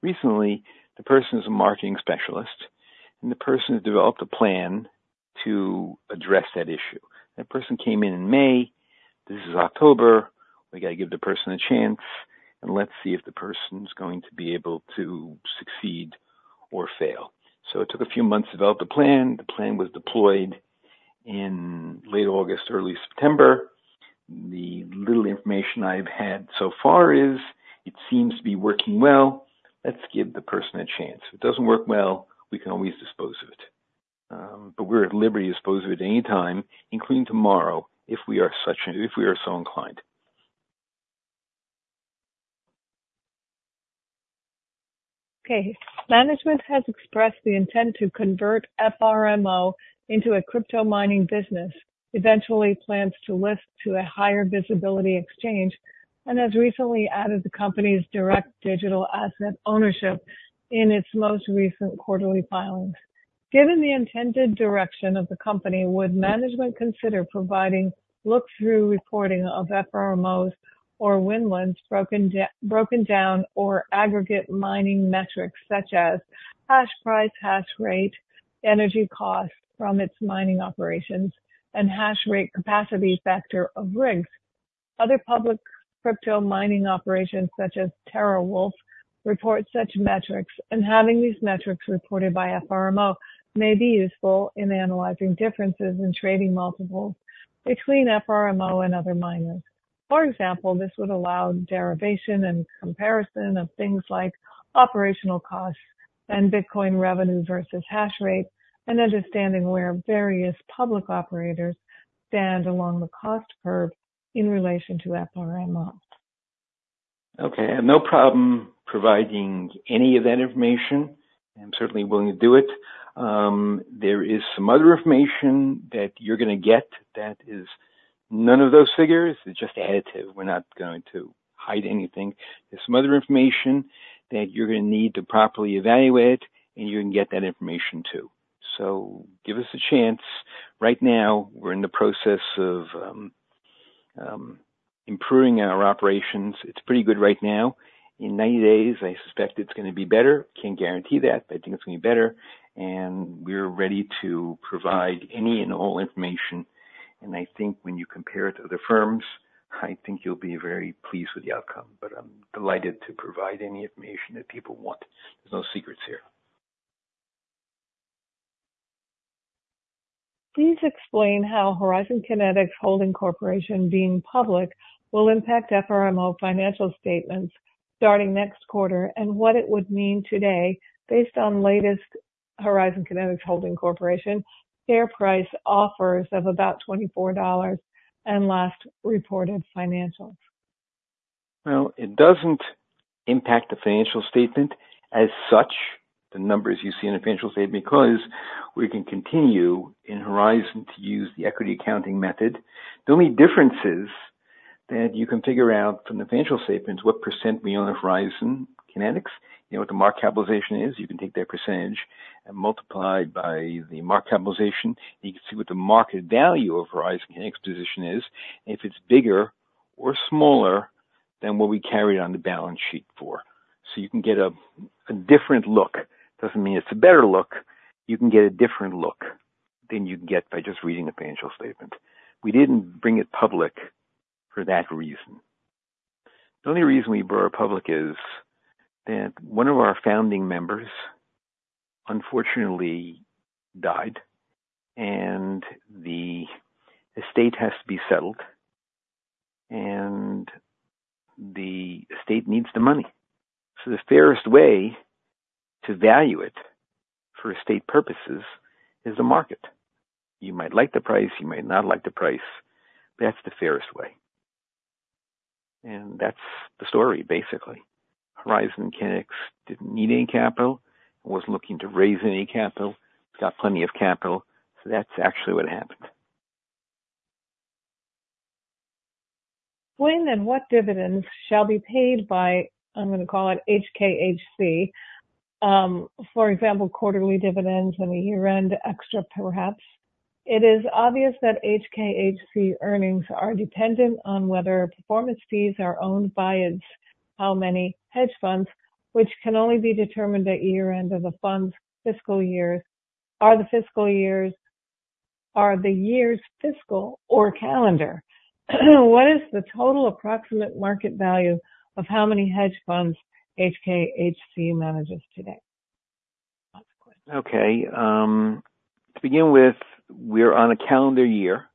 recently, the person is a marketing specialist, and the person has developed a plan to address that issue. That person came in May. This is October. We got to give the person a chance, and let's see if the person's going to be able to succeed or fail. So it took a few months to develop the plan. The plan was deployed in late August, early September. The little information I've had so far is, it seems to be working well. Let's give the person a chance. If it doesn't work well, we can always dispose of it. But we're at liberty to dispose of it anytime, including tomorrow, if we are such, if we are so inclined. Okay. Management has expressed the intent to convert FRMO into a crypto mining business, eventually plans to list to a higher visibility exchange, and has recently added the company's direct digital asset ownership in its most recent quarterly filings. Given the intended direction of the company, would management consider providing look-through reporting of FRMO's or Winland's broken down or aggregate mining metrics such as hash price, hash rate, energy costs from its mining operations, and hash rate capacity factor of rigs? Other public crypto mining operations, such as TeraWulf, report such metrics, and having these metrics reported by FRMO may be useful in analyzing differences in trading multiples between FRMO and other miners. For example, this would allow derivation and comparison of things like operational costs and Bitcoin revenue versus hash rate, and understanding where various public operators stand along the cost curve in relation to FRMO. Okay, I have no problem providing any of that information. I'm certainly willing to do it. There is some other information that you're gonna get that is none of those figures. It's just additive. We're not going to hide anything. There's some other information that you're gonna need to properly evaluate, and you're gonna get that information, too. So give us a chance. Right now, we're in the process of improving our operations. It's pretty good right now. In ninety days, I suspect it's gonna be better. Can't guarantee that, but I think it's gonna be better, and we're ready to provide any and all information, and I think when you compare it to other firms, I think you'll be very pleased with the outcome. But I'm delighted to provide any information that people want. There's no secrets here. Please explain how Horizon Kinetics Holding Corporation being public will impact FRMO financial statements starting next quarter, and what it would mean today based on latest Horizon Kinetics Holding Corporation share price offers of about $24 and last reported financials? It doesn't impact the financial statement as such, the numbers you see in the financial statement, because we can continue in Horizon to use the equity accounting method. The only difference is that you can figure out from the financial statements what percent we own of Horizon Kinetics. You know what the market capitalization is. You can take their percentage and multiply by the market capitalization. You can see what the market value of Horizon Kinetics position is, and if it's bigger or smaller than what we carry on the balance sheet for. So you can get a different look. Doesn't mean it's a better look. You can get a different look than you'd get by just reading the financial statement. We didn't bring it public for that reason. The only reason we brought it public is that one of our founding members unfortunately died, and the estate has to be settled, and the estate needs the money. So the fairest way to value it for estate purposes is the market. You might like the price, you might not like the price, but that's the fairest way, and that's the story basically. Horizon Kinetics didn't need any capital, wasn't looking to raise any capital. It's got plenty of capital, so that's actually what happened. When and what dividends shall be paid by, I'm gonna call it HKHC. For example, quarterly dividends and a year-end extra, perhaps. It is obvious that HKHC earnings are dependent on whether performance fees are owned by its, how many hedge funds, which can only be determined at year-end of the fund's fiscal years. Are the years fiscal or calendar? What is the total approximate market value of how many hedge funds HKHC manages today? Last question. Okay, to begin with, we're on a calendar year,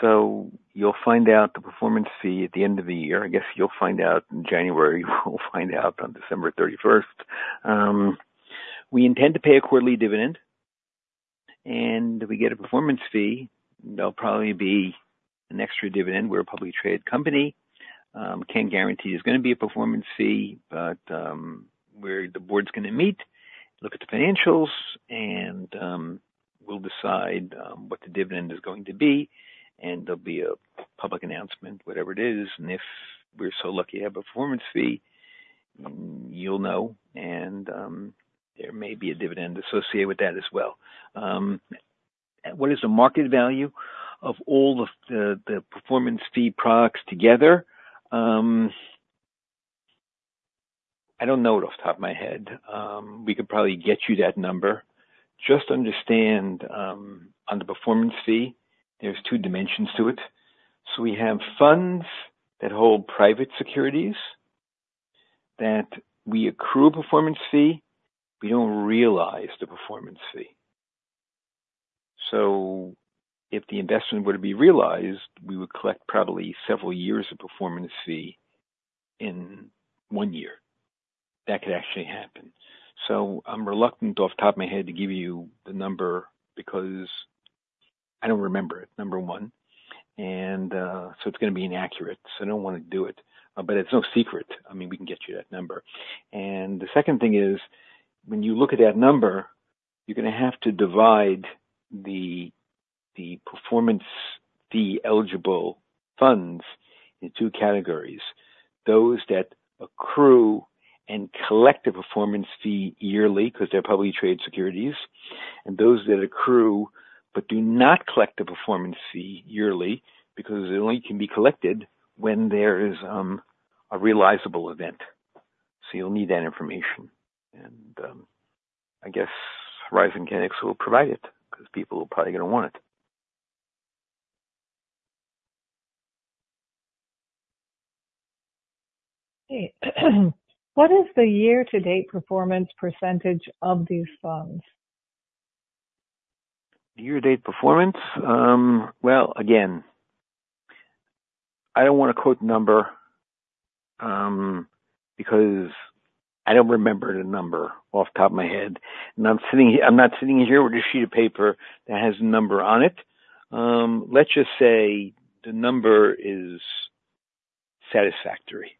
so you'll find out the performance fee at the end of the year. I guess you'll find out in January. We'll find out on December 31st. We intend to pay a quarterly dividend, and if we get a performance fee, there'll probably be an extra dividend. We're a publicly traded company. Can't guarantee there's gonna be a performance fee, but, we're, the board's gonna meet, look at the financials, and, we'll decide, what the dividend is going to be, and there'll be a public announcement, whatever it is, and if we're so lucky to have a performance fee, you'll know, and, there may be a dividend associated with that as well. What is the market value of all the performance fee products together? I don't know it off the top of my head. We could probably get you that number. Just understand, on the performance fee, there's two dimensions to it. So we have funds that hold private securities, that we accrue a performance fee. We don't realize the performance fee. So if the investment were to be realized, we would collect probably several years of performance fee in one year. That could actually happen. So I'm reluctant, off the top of my head, to give you the number because I don't remember it, number one, and so it's gonna be inaccurate, so I don't wanna do it. But it's no secret. I mean, we can get you that number. And the second thing is, when you look at that number, you're gonna have to divide the performance fee-eligible funds in two categories: those that accrue and collect a performance fee yearly, because they're publicly traded securities, and those that accrue but do not collect a performance fee yearly because it only can be collected when there is a realizable event. So you'll need that information, and I guess Horizon Kinetics will provide it because people are probably gonna want it. Okay. What is the year-to-date performance percentage of these funds? The year-to-date performance? Well, again, I don't wanna quote the number, because I don't remember the number off the top of my head, and I'm not sitting here with a sheet of paper that has the number on it. Let's just say the number is satisfactory,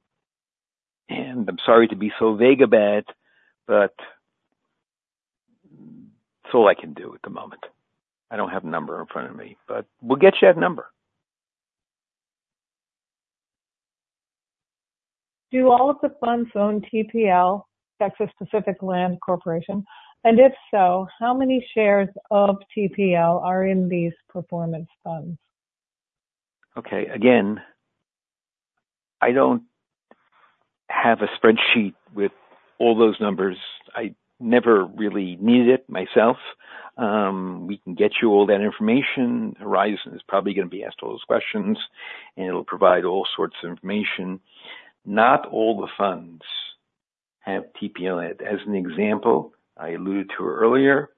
and I'm sorry to be so vague about it, but it's all I can do at the moment. I don't have the number in front of me, but we'll get you that number. Do all of the funds own TPL, Texas Pacific Land Corporation? And if so, how many shares of TPL are in these performance funds? Okay. Again, I don't have a spreadsheet with all those numbers. I never really needed it myself. We can get you all that information. Horizon is probably gonna be asked all those questions, and it'll provide all sorts of information. Not all the funds have TPL in it. As an example, I alluded to earlier,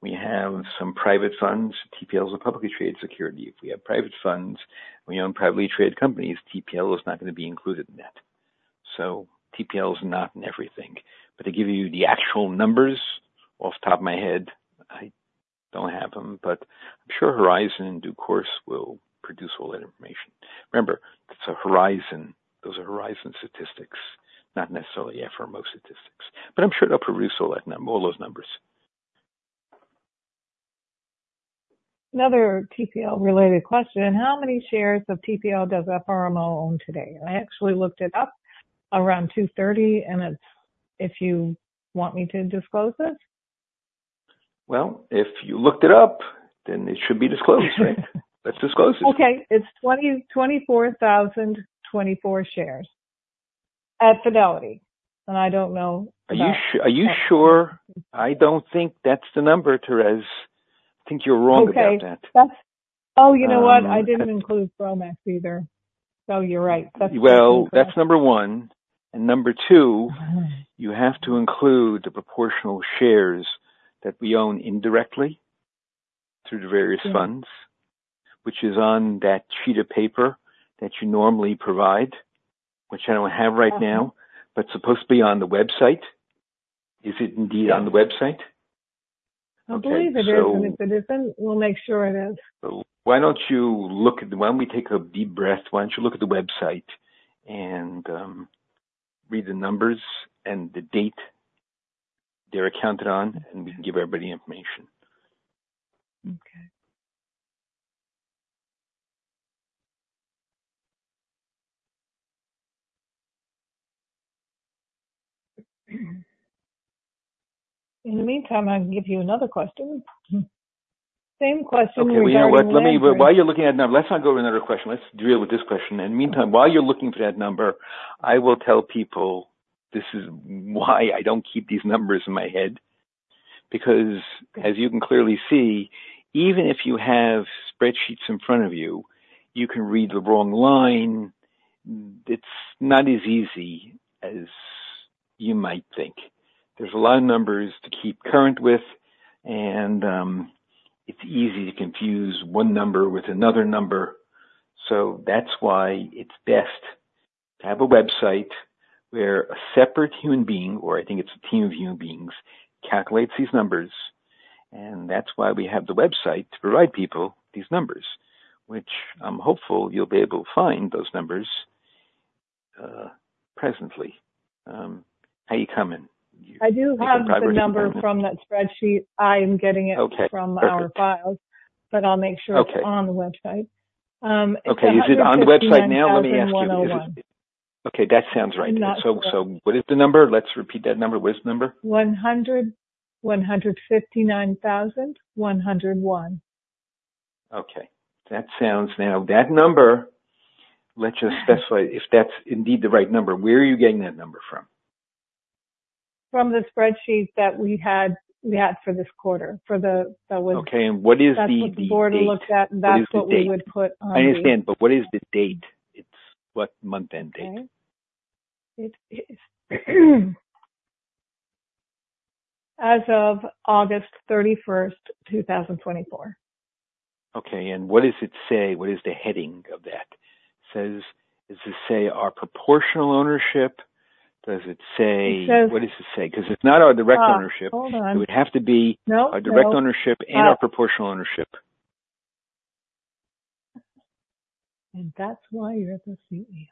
we have some private funds. TPL is a publicly traded security. If we have private funds, we own privately traded companies, TPL is not gonna be included in that. So TPL is not in everything. But to give you the actual numbers off the top of my head, I don't have them, but I'm sure Horizon, in due course, will produce all that information. Remember, it's a Horizon. Those are Horizon statistics, not necessarily FRMO statistics, but I'm sure they'll produce all those numbers. Another TPL-related question: How many shares of TPL does FRMO own today? I actually looked it up around 2:30 P.M., and it's... If you want me to disclose it? If you looked it up, then it should be disclosed, right? Let's disclose it. Okay. It's 24,024 shares at Fidelity, and I don't know about- Are you sure? I don't think that's the number, Thérèse. I think you're wrong about that. Okay. That's... Oh, you know what? Um- I didn't include Polmax either, so you're right. That's That's number one. Number two, you have to include the proportional shares that we own indirectly through the various funds, which is on that sheet of paper that you normally provide, which I don't have right now, but supposed to be on the website. Is it indeed on the website? I believe it is. Okay, so And if it isn't, we'll make sure it is. Why don't we take a deep breath? Why don't you look at the website and read the numbers and the date they're accounted on, and we can give everybody information. Okay. In the meantime, I can give you another question. Same question regarding Okay. You know what? Let me, while you're looking at that number, let's not go over another question. Let's deal with this question. Meantime, while you're looking for that number, I will tell people this is why I don't keep these numbers in my head, because as you can clearly see, even if you have spreadsheets in front of you, you can read the wrong line. It's not as easy as you might think. There's a lot of numbers to keep current with, and, it's easy to confuse one number with another number. So that's why it's best to have a website where a separate human being, or I think it's a team of human beings, calculates these numbers, and that's why we have the website, to provide people these numbers, which I'm hopeful you'll be able to find those numbers, presently. How are you coming? I do have the number from that spreadsheet. I am getting it Okay, perfect. from our files, but I'll make sure. Okay. It's on the website. It's 159,101. Okay. Is it on the website now? Let me ask you. Okay, that sounds right. That's correct. What is the number? Let's repeat that number. What's the number? One hundred, one hundred and fifty-nine thousand, one hundred and one. Okay, that sounds... Now, that number, let's just specify if that's indeed the right number. Where are you getting that number from? From the spreadsheet that we had for this quarter. Okay. And what is the date? That's what the board looked at, and that's what we would put on the- I understand, but what is the date? It's what month-end date? It is, as of 31 August 2024. Okay, and what does it say? What is the heading of that? Says, does it say our proportional ownership? Does it say? It says What does it say? Because it's not our direct ownership. Hold on. It would have to be- No Our direct ownership and our proportional ownership. That's why you're the CEO.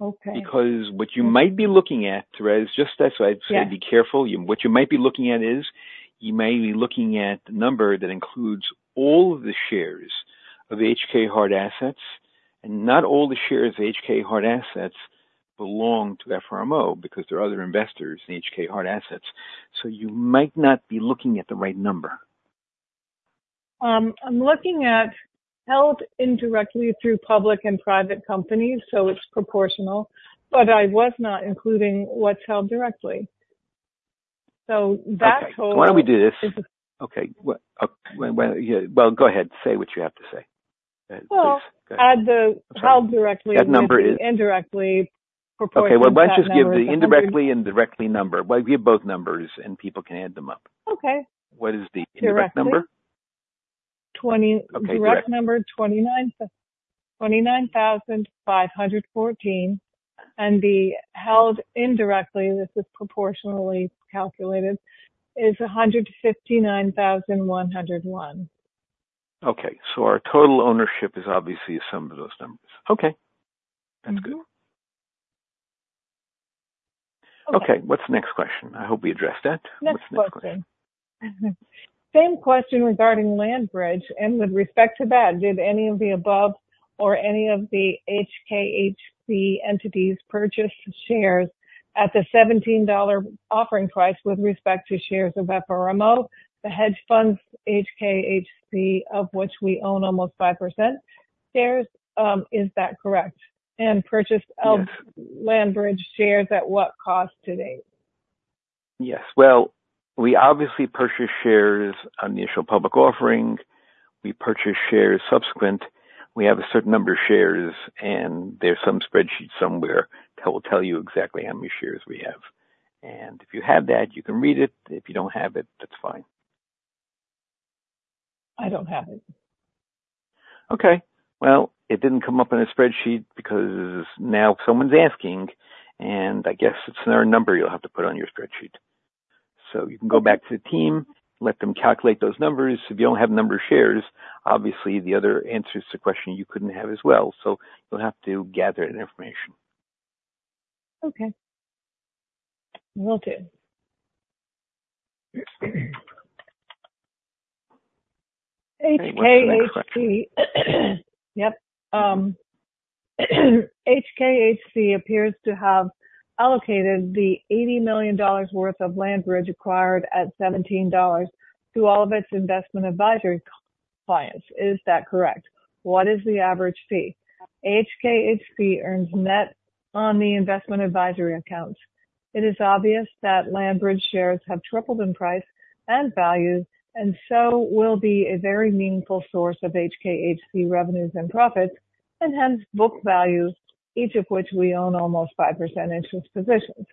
Okay. Because what you might be looking at, Thérèse, just as I said Yes So be careful. What you might be looking at is, you may be looking at the number that includes all of the shares of the HK Hard Assets, and not all the shares of HK Hard Assets belong to FRMO because there are other investors in HK Hard Assets. So you might not be looking at the right number. I'm looking at held indirectly through public and private companies, so it's proportional, but I was not including what's held directly. So that total Okay, why don't we do this? Okay, well, go ahead. Say what you have to say. Please. Add the held directly That number is- Indirectly proportionate. Okay, well, let's just give the indirect and direct number. Well, give both numbers and people can add them up. Okay. What is the indirect number? Twenty- Okay, direct. Direct number is 29,514, and the held indirectly, this is proportionally calculated, is 159,101. Okay. So our total ownership is obviously a sum of those numbers. Okay, that's good. Mm-hmm. Okay, what's the next question? I hope we addressed that. What's the next question? Next question. Same question regarding LandBridge. And with respect to that, did any of the above or any of the HKHC entities purchase shares at the $17 offering price with respect to shares of FRMO, the hedge funds HKHC, of which we own almost 5% shares. Is that correct? And purchase of LandBridge shares, at what cost to date? Yes, well, we obviously purchased shares on the initial public offering. We purchased shares subsequent. We have a certain number of shares, and there's some spreadsheet somewhere that will tell you exactly how many shares we have, and if you have that, you can read it. If you don't have it, that's fine. I don't have it. Okay. It didn't come up in a spreadsheet because now someone's asking, and I guess it's another number you'll have to put on your spreadsheet. So you can go back to the team, let them calculate those numbers. If you only have number of shares, obviously the other answers to the question you couldn't have as well, so you'll have to gather that information. Okay. Will do. HKHC... Yep. HKHC appears to have allocated the $80 million worth of LandBridge acquired at $17 to all of its investment advisory clients. Is that correct? What is the average fee? HKHC earns net on the investment advisory accounts. It is obvious that LandBridge shares have tripled in price and value, and so will be a very meaningful source of HKHC revenues and profits, and hence book values, each of which we own almost 5% interest positions.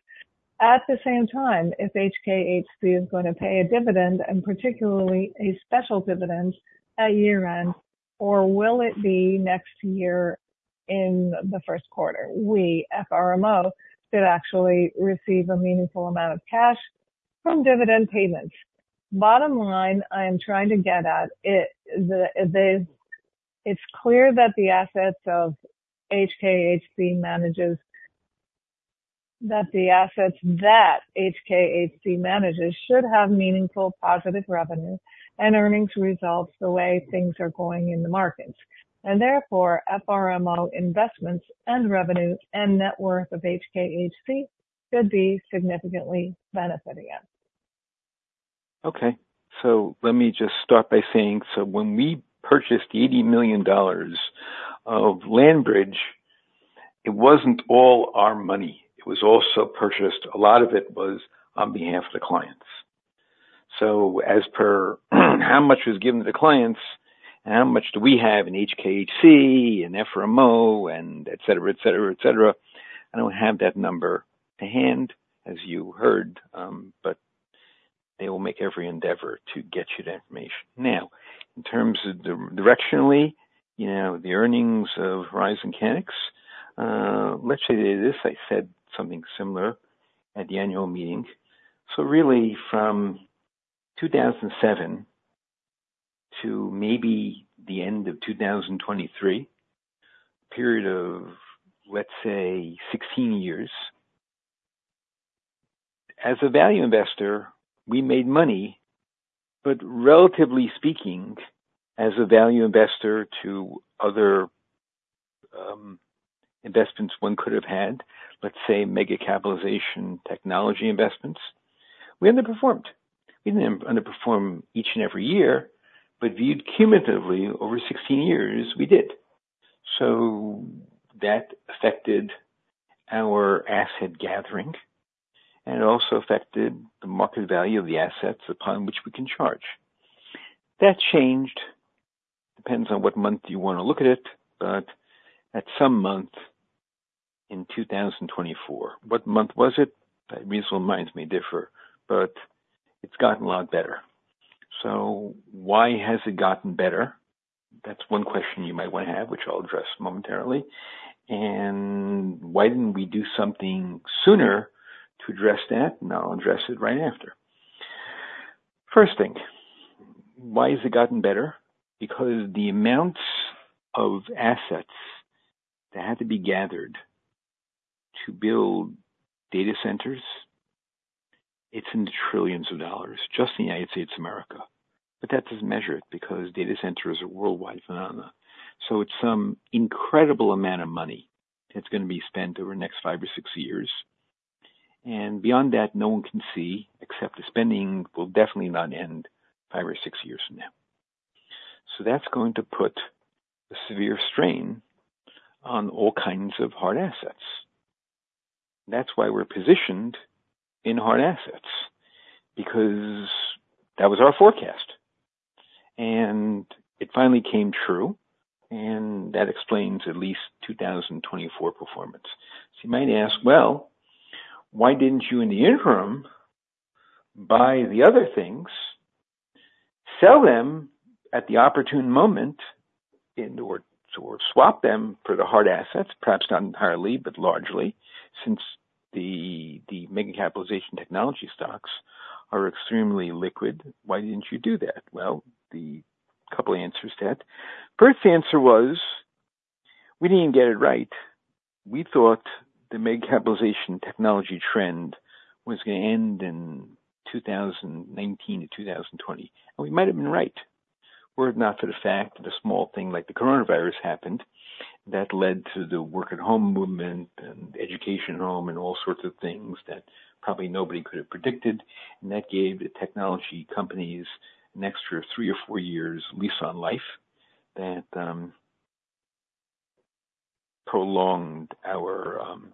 At the same time, if HKHC is gonna pay a dividend, and particularly a special dividend, at year-end, or will it be next year in the first quarter, we, FRMO, should actually receive a meaningful amount of cash from dividend payments. Bottom line I am trying to get at is, it's clear that the assets of HKHC manages. That the assets that HKHC manages should have meaningful positive revenue and earnings results the way things are going in the markets, and therefore, FRMO investments and revenues and net worth of HKHC should be significantly benefiting us. Okay, so let me just start by saying, so when we purchased $80 million of LandBridge, it wasn't all our money. It was also purchased, a lot of it was on behalf of the clients. So as per, how much was given to the clients and how much do we have in HKHC and FRMO and etc, etc, etc, I don't have that number to hand, as you heard, but they will make every endeavor to get you that information. Now, in terms of directionally, you know, the earnings of Horizon Kinetics, let's say this, I said something similar at the annual meeting. So really, from 2007 to maybe the end of 2023, a period of, let's say, 16 years, as a value investor, we made money, but relatively speaking, as a value investor to other investments one could have had, let's say mega capitalization technology investments, we underperformed. We didn't underperform each and every year, but viewed cumulatively over 16 years, we did. So that affected our asset gathering, and it also affected the market value of the assets upon which we can charge. That changed, depends on what month you want to look at it, but at some month in 2024. What month was it? Reasonable minds may differ, but it's gotten a lot better. So why has it gotten better? That's one question you might want to have, which I'll address momentarily. And why didn't we do something sooner to address that? Now I'll address it right after. First thing, why has it gotten better? Because the amounts of assets that had to be gathered to build data centers, it's in the trillions of dollars, just in the United States of America, but that doesn't measure it because data centers are a worldwide phenomenon. So it's some incredible amount of money that's gonna be spent over the next five or six years. And beyond that, no one can see, except the spending will definitely not end five or six years from now... So that's going to put a severe strain on all kinds of hard assets. That's why we're positioned in hard assets, because that was our forecast, and it finally came true, and that explains at least 2024 performance. So you might ask, "Well, why didn't you, in the interim, buy the other things, sell them at the opportune moment and/or swap them for the hard assets? Perhaps not entirely, but largely since the mega capitalization technology stocks are extremely liquid. Why didn't you do that?" Well, the couple of answers to that. First answer was, we didn't get it right. We thought the mega capitalization technology trend was gonna end in 2019 to 2020, and we might have been right, were it not for the fact that a small thing like the coronavirus happened that led to the work at home movement and education home and all sorts of things that probably nobody could have predicted, and that gave the technology companies an extra three or four years lease on life that prolonged our period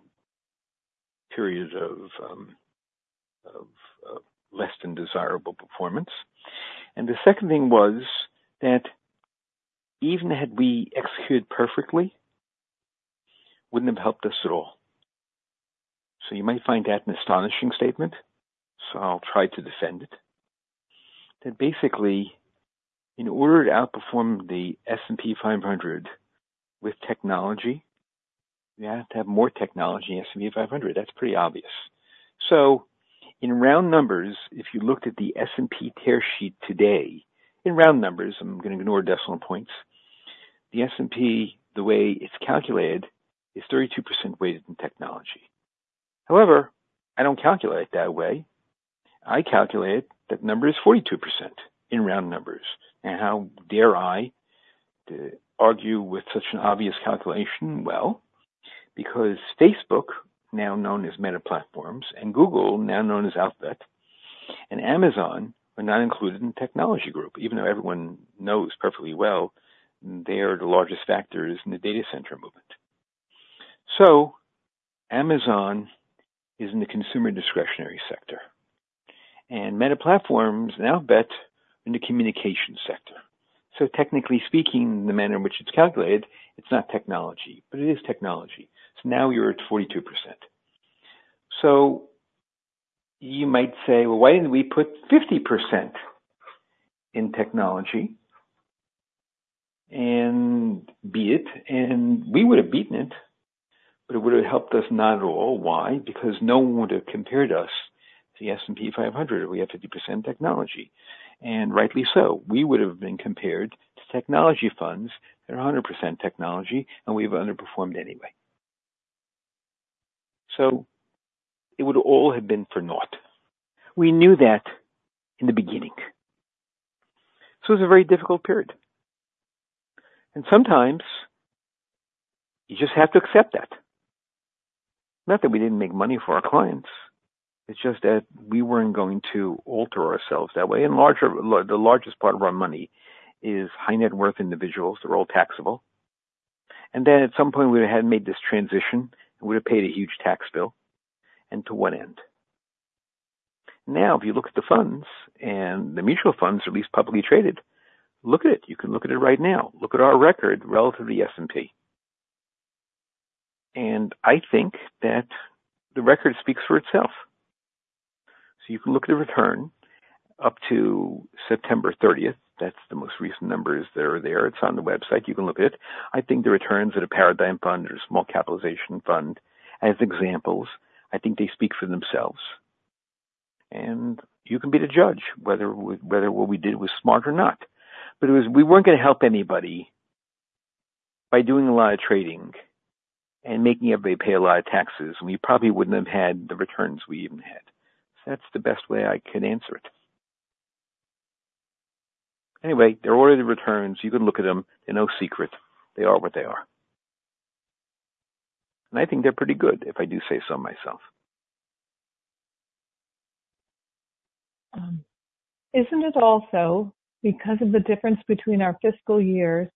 of less than desirable performance. The second thing was that even had we executed perfectly, wouldn't have helped us at all. You might find that an astonishing statement, so I'll try to defend it. That basically, in order to outperform the S&P 500 with technology, you have to have more technology in S&P 500. That's pretty obvious. So in round numbers, if you looked at the S&P tear sheet today, in round numbers, I'm gonna ignore decimal points. The S&P, the way it's calculated, is 32% weighted in technology. However, I don't calculate it that way. I calculate that number is 42% in round numbers. And how dare I to argue with such an obvious calculation? Well, because Facebook, now known as Meta Platforms, and Google, now known as Alphabet, and Amazon are not included in the technology group, even though everyone knows perfectly well they are the largest factors in the data center movement. So Amazon is in the consumer discretionary sector, and Meta Platforms, now Meta, in the communication sector. So technically speaking, the manner in which it's calculated, it's not technology, but it is technology. So now you're at 42%. So you might say, "Well, why didn't we put 50% in technology and beat it?" And we would have beaten it, but it would have helped us? Not at all. Why? Because no one would have compared us to the S&P 500 if we had 50% technology, and rightly so. We would have been compared to technology funds that are 100% technology, and we have underperformed anyway. So it would all have been for naught. We knew that in the beginning, so it's a very difficult period, and sometimes you just have to accept that. Not that we didn't make money for our clients, it's just that we weren't going to alter ourselves that way. The largest part of our money is high net worth individuals. They're all taxable. And then at some point, we had made this transition, and we'd have paid a huge tax bill, and to what end? Now, if you look at the funds and the mutual funds, at least publicly traded, look at it. You can look at it right now. Look at our record relative to the S&P. And I think that the record speaks for itself. So you can look at the return up to September 30th. That's the most recent numbers that are there. It's on the website. You can look at it. I think the returns at a Paradigm Fund or a small capitalization fund as examples, I think they speak for themselves. And you can be the judge, whether what we did was smart or not. But it was. We weren't gonna help anybody by doing a lot of trading and making everybody pay a lot of taxes, and we probably wouldn't have had the returns we even had. So that's the best way I can answer it. Anyway, there are already the returns. You can look at them. They're no secret. They are what they are. And I think they're pretty good, if I do say so myself. Isn't it also because of the difference between our fiscal years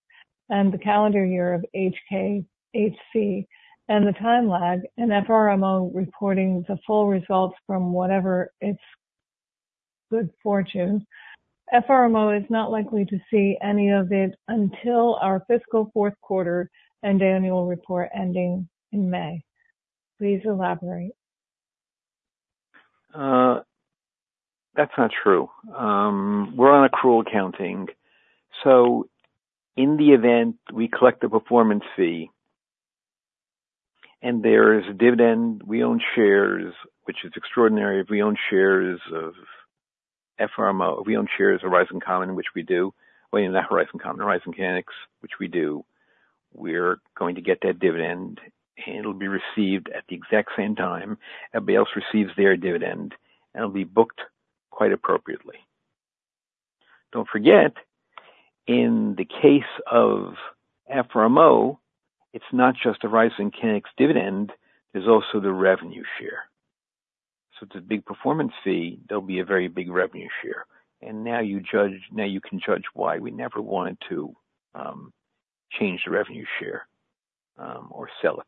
and the calendar year of HK, HC, and the time lag and FRMO reporting the full results from whatever its good fortune? FRMO is not likely to see any of it until our fiscal Q4 and annual report ending in May. Please elaborate. That's not true. We're on accrual accounting, so in the event we collect a performance fee and there is a dividend, we own shares, which is extraordinary. If we own shares of FRMO, if we own shares of Horizon Kinetics, which we do, well, not Horizon Common, Horizon Kinetics, which we do, we're going to get that dividend, and it'll be received at the exact same time everybody else receives their dividend, and it'll be booked quite appropriately. Don't forget, in the case of FRMO, it's not just the Horizon Kinetics dividend, there's also the revenue share. So it's a big performance fee, there'll be a very big revenue share. And now you judge, now you can judge why we never wanted to change the revenue share, or sell it.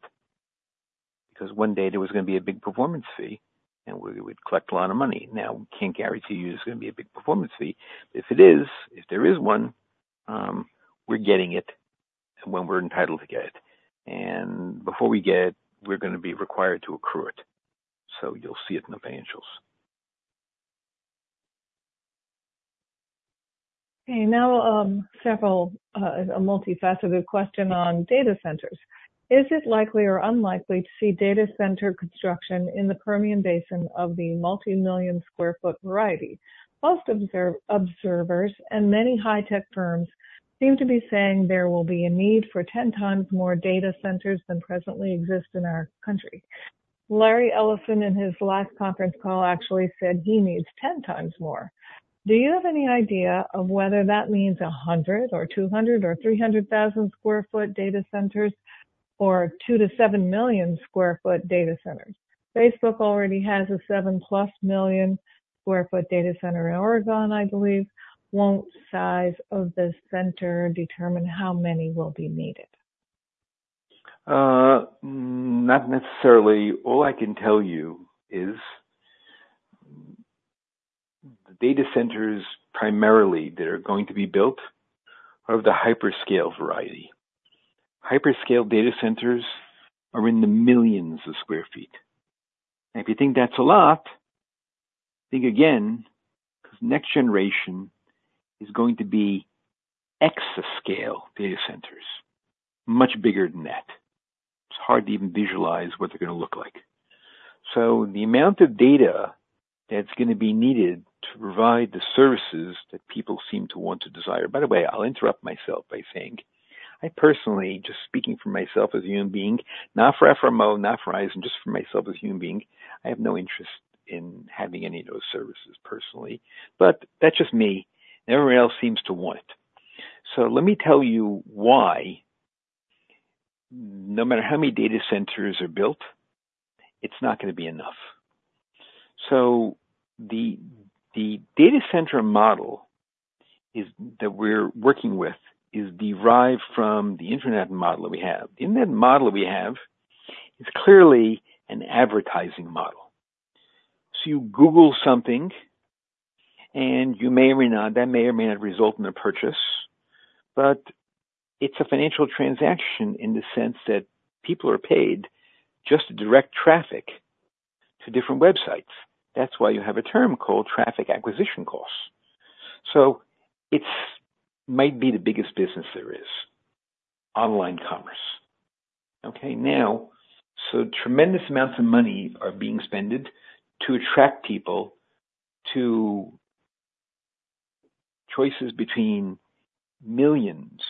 Because one day there was gonna be a big performance fee, and we would collect a lot of money. Now, we can't guarantee you there's gonna be a big performance fee. If it is, if there is one, we're getting it when we're entitled to get it. And before we get it, we're gonna be required to accrue it, so you'll see it in the financials. Okay, now, several, a multifaceted question on data centers. Is it likely or unlikely to see data center construction in the Permian Basin of the multimillion square foot variety? Most observers and many high-tech firms seem to be saying there will be a need for ten times more data centers than presently exist in our country. Larry Ellison, in his last conference call, actually said he needs ten times more. Do you have any idea of whether that means a hundred or two hundred or three hundred thousand square foot data centers or two to seven million square foot data centers? Facebook already has a seven-plus million square foot data center in Oregon, I believe. Won't size of the center determine how many will be needed? Not necessarily. All I can tell you is, the data centers, primarily, that are going to be built are of the hyperscale variety. Hyperscale data centers are in the millions of square feet. If you think that's a lot, think again, because next generation is going to be exascale data centers, much bigger than that. It's hard to even visualize what they're gonna look like. So the amount of data that's gonna be needed to provide the services that people seem to want to desire. By the way, I'll interrupt myself by saying, I personally, just speaking for myself as a human being, not for FRMO, not for Horizon, just for myself as a human being, I have no interest in having any of those services personally. But that's just me, and everyone else seems to want it. So let me tell you why. No matter how many data centers are built, it's not gonna be enough. So the, the data center model is, that we're working with, is derived from the internet model that we have. In that model we have, it's clearly an advertising model. So you Google something, and you may or may not, that may or may not result in a purchase, but it's a financial transaction in the sense that people are paid just to direct traffic to different websites. That's why you have a term called traffic acquisition costs. So it might be the biggest business there is, online commerce. Okay, now, so tremendous amounts of money are being spent to attract people to choices between millions,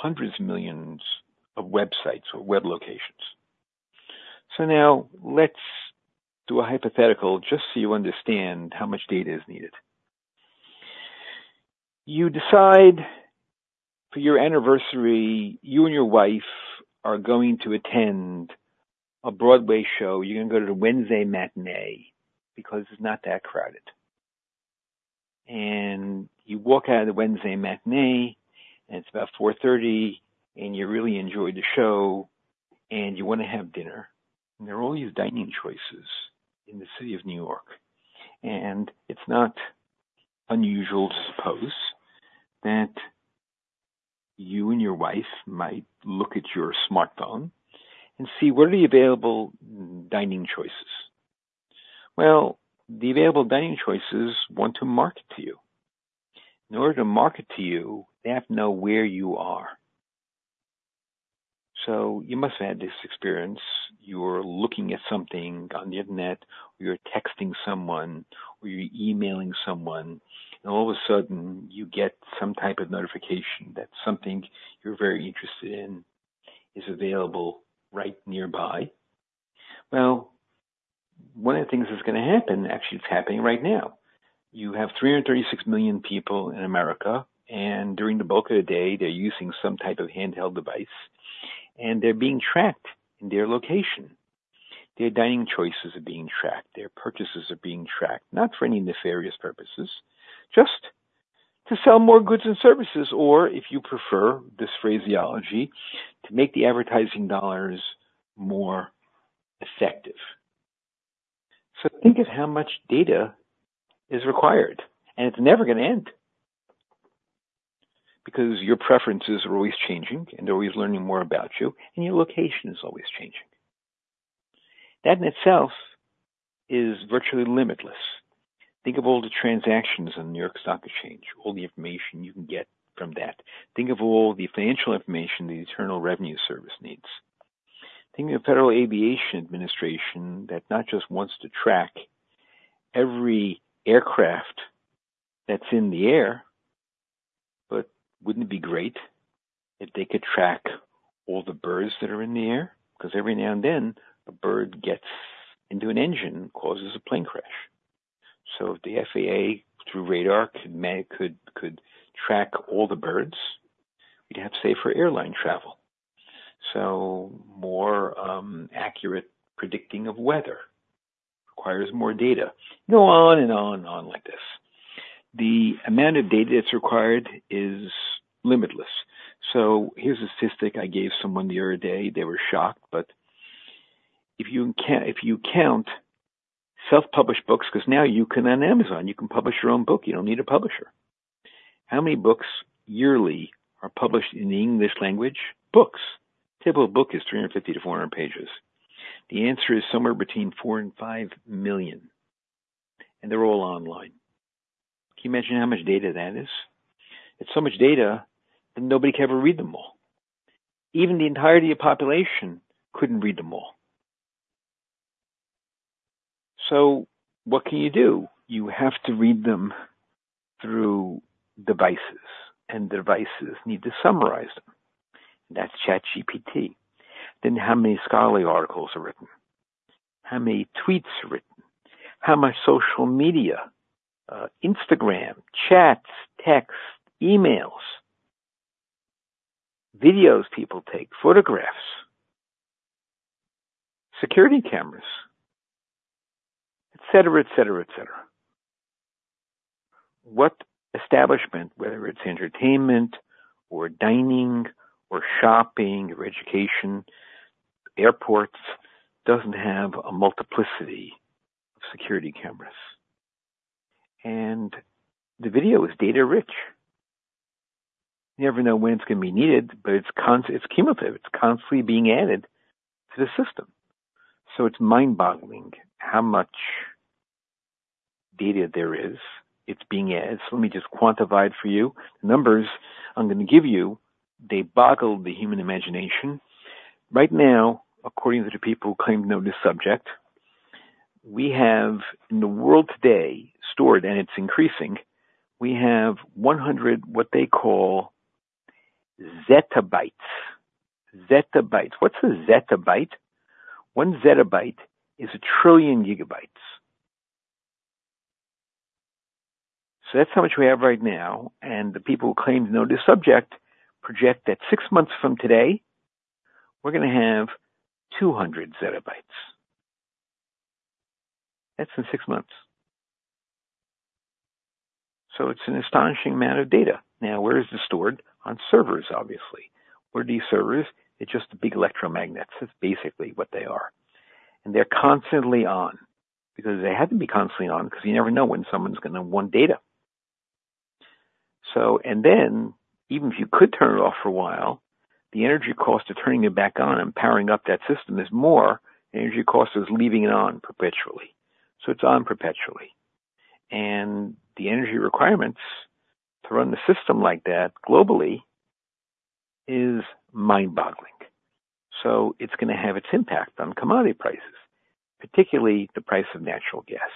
hundreds of millions of websites or web locations. So now let's do a hypothetical, just so you understand how much data is needed. You decide for your anniversary, you and your wife are going to attend a Broadway show. You're gonna go to the Wednesday matinee because it's not that crowded, and you walk out of the Wednesday matinee, and it's about 4:30 P.M., and you really enjoy the show, and you want to have dinner, and there are all these dining choices in the city of New York, and it's not unusual to suppose that you and your wife might look at your smartphone and see what are the available dining choices, well, the available dining choices want to market to you. In order to market to you, they have to know where you are. You must have had this experience: You're looking at something on the internet, or you're texting someone, or you're emailing someone, and all of a sudden you get some type of notification that something you're very interested in is available right nearby. Well, one of the things that's gonna happen, actually, it's happening right now. You have 336 million people in America, and during the bulk of the day, they're using some type of handheld device, and they're being tracked in their location. Their dining choices are being tracked, their purchases are being tracked, not for any nefarious purposes, just to sell more goods and services, or if you prefer this phraseology, to make the advertising dollars more effective. So think of how much data is required, and it's never gonna end, because your preferences are always changing, and they're always learning more about you, and your location is always changing. That in itself is virtually limitless. Think of all the transactions on the New York Stock Exchange, all the information you can get from that. Think of all the financial information the Internal Revenue Service needs. Think of the Federal Aviation Administration that not just wants to track every aircraft that's in the air, but wouldn't it be great if they could track all the birds that are in the air? Because every now and then, a bird gets into an engine and causes a plane crash. So if the FAA, through radar, could track all the birds, we'd have safer airline travel. So more accurate predicting of weather requires more data. You know, on and on and on like this. The amount of data that's required is limitless. So here's a statistic I gave someone the other day. They were shocked, but if you can, if you count self-published books, 'cause now you can on Amazon, you can publish your own book. You don't need a publisher. How many books yearly are published in the English language? Books. Typical book is 350 to 400 pages. The answer is somewhere between 4 and 5 million, and they're all online. Can you imagine how much data that is? It's so much data that nobody can ever read them all. Even the entirety of population couldn't read them all. So what can you do? You have to read them through devices, and devices need to summarize them. That's ChatGPT. Then, how many scholarly articles are written? How many tweets are written? How much social media, Instagram, chats, texts, emails, videos people take, photographs, security cameras, etc, etc, etc. What establishment, whether it's entertainment or dining or shopping or education, airports, doesn't have a multiplicity of security cameras? And the video is data rich. You never know when it's gonna be needed, but it's constant, it's cumulative. It's constantly being added to the system. So it's mind-boggling how much data there is. It's being added. So let me just quantify it for you. The numbers I'm gonna give you, they boggle the human imagination. Right now, according to the people who claim to know this subject, we have in the world today, stored, and it's increasing, we have 100, what they call zettabytes. Zettabytes. What's a zettabyte? One zettabyte is a trillion gigabytes. That's how much we have right now, and the people who claim to know this subject project that six months from today, we're gonna have 200 zettabytes. That's in six months. It's an astonishing amount of data. Now, where is this stored? On servers, obviously. Where are these servers? It's just a big electromagnet. That's basically what they are, and they're constantly on because they have to be constantly on, 'cause you never know when someone's gonna want data. Even if you could turn it off for a while, the energy cost of turning it back on and powering up that system is more energy cost of leaving it on perpetually. It's on perpetually, and the energy requirements to run the system like that globally is mind-boggling. So it's gonna have its impact on commodity prices, particularly the price of natural gas,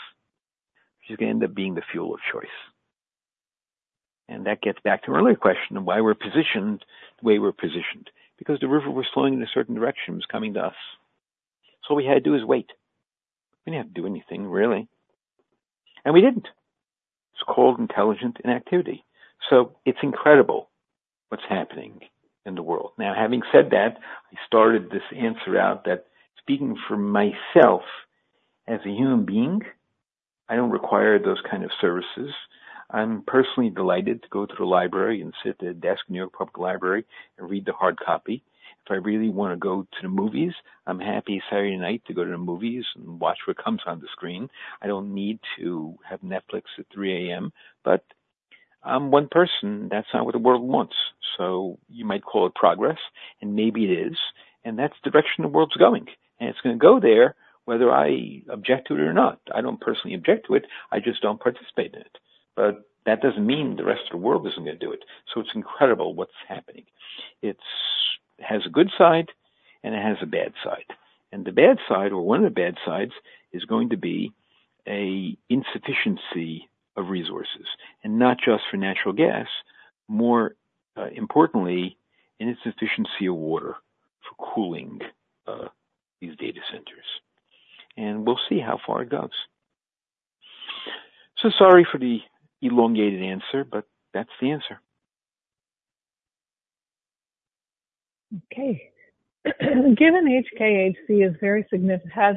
which is gonna end up being the fuel of choice. And that gets back to an earlier question of why we're positioned the way we're positioned, because the river was flowing in a certain direction. It was coming to us, so all we had to do is wait. We didn't have to do anything, really, and we didn't. It's called intelligent inactivity. So it's incredible what's happening in the world. Now, having said that, I started this answer out that speaking for myself as a human being, I don't require those kind of services. I'm personally delighted to go to the library and sit at a desk in New York Public Library and read the hard copy. If I really wanna go to the movies, I'm happy Saturday night to go to the movies and watch what comes on the screen. I don't need to have Netflix at 3:00 A.M., but I'm one person. That's not what the world wants. So you might call it progress, and maybe it is, and that's the direction the world's going, and it's gonna go there whether I object to it or not. I don't personally object to it. I just don't participate in it. But that doesn't mean the rest of the world isn't gonna do it. So it's incredible what's happening. It's has a good side and it has a bad side, and the bad side, or one of the bad sides, is going to be a insufficiency of resources, and not just for natural gas. More importantly, insufficiency of water for cooling these data centers. We'll see how far it goes. Sorry for the elongated answer, but that's the answer. Okay. Given HKHC has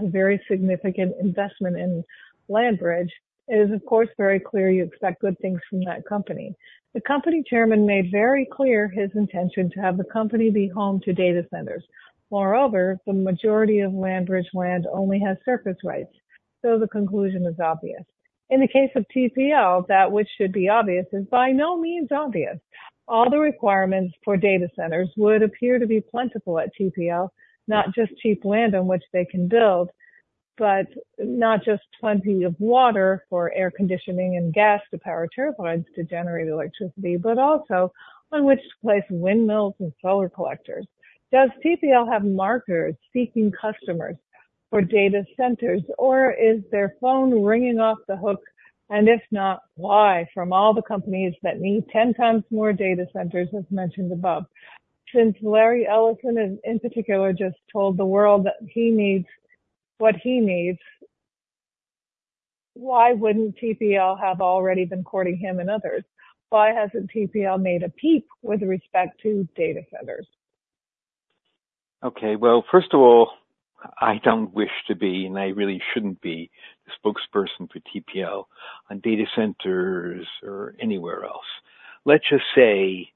a very significant investment in LandBridge, it is, of course, very clear you expect good things from that company. The company chairman made very clear his intention to have the company be home to data centers. Moreover, the majority of LandBridge land only has surface rights, so the conclusion is obvious. In the case of TPL, that which should be obvious is by no means obvious. All the requirements for data centers would appear to be plentiful at TPL, not just cheap land on which they can build, but not just plenty of water for air conditioning and gas to power turbines to generate electricity, but also on which to place windmills and solar collectors. Does TPL have marketers seeking customers for data centers, or is their phone ringing off the hook? If not, why from all the companies that need ten times more data centers, as mentioned above? Since Larry Ellison, in particular, just told the world that he needs what he needs. Why wouldn't TPL have already been courting him and others? Why hasn't TPL made a peep with respect to data centers? Okay, well, first of all, I don't wish to be, and I really shouldn't be, the spokesperson for TPL on data centers or anywhere else. Let's just say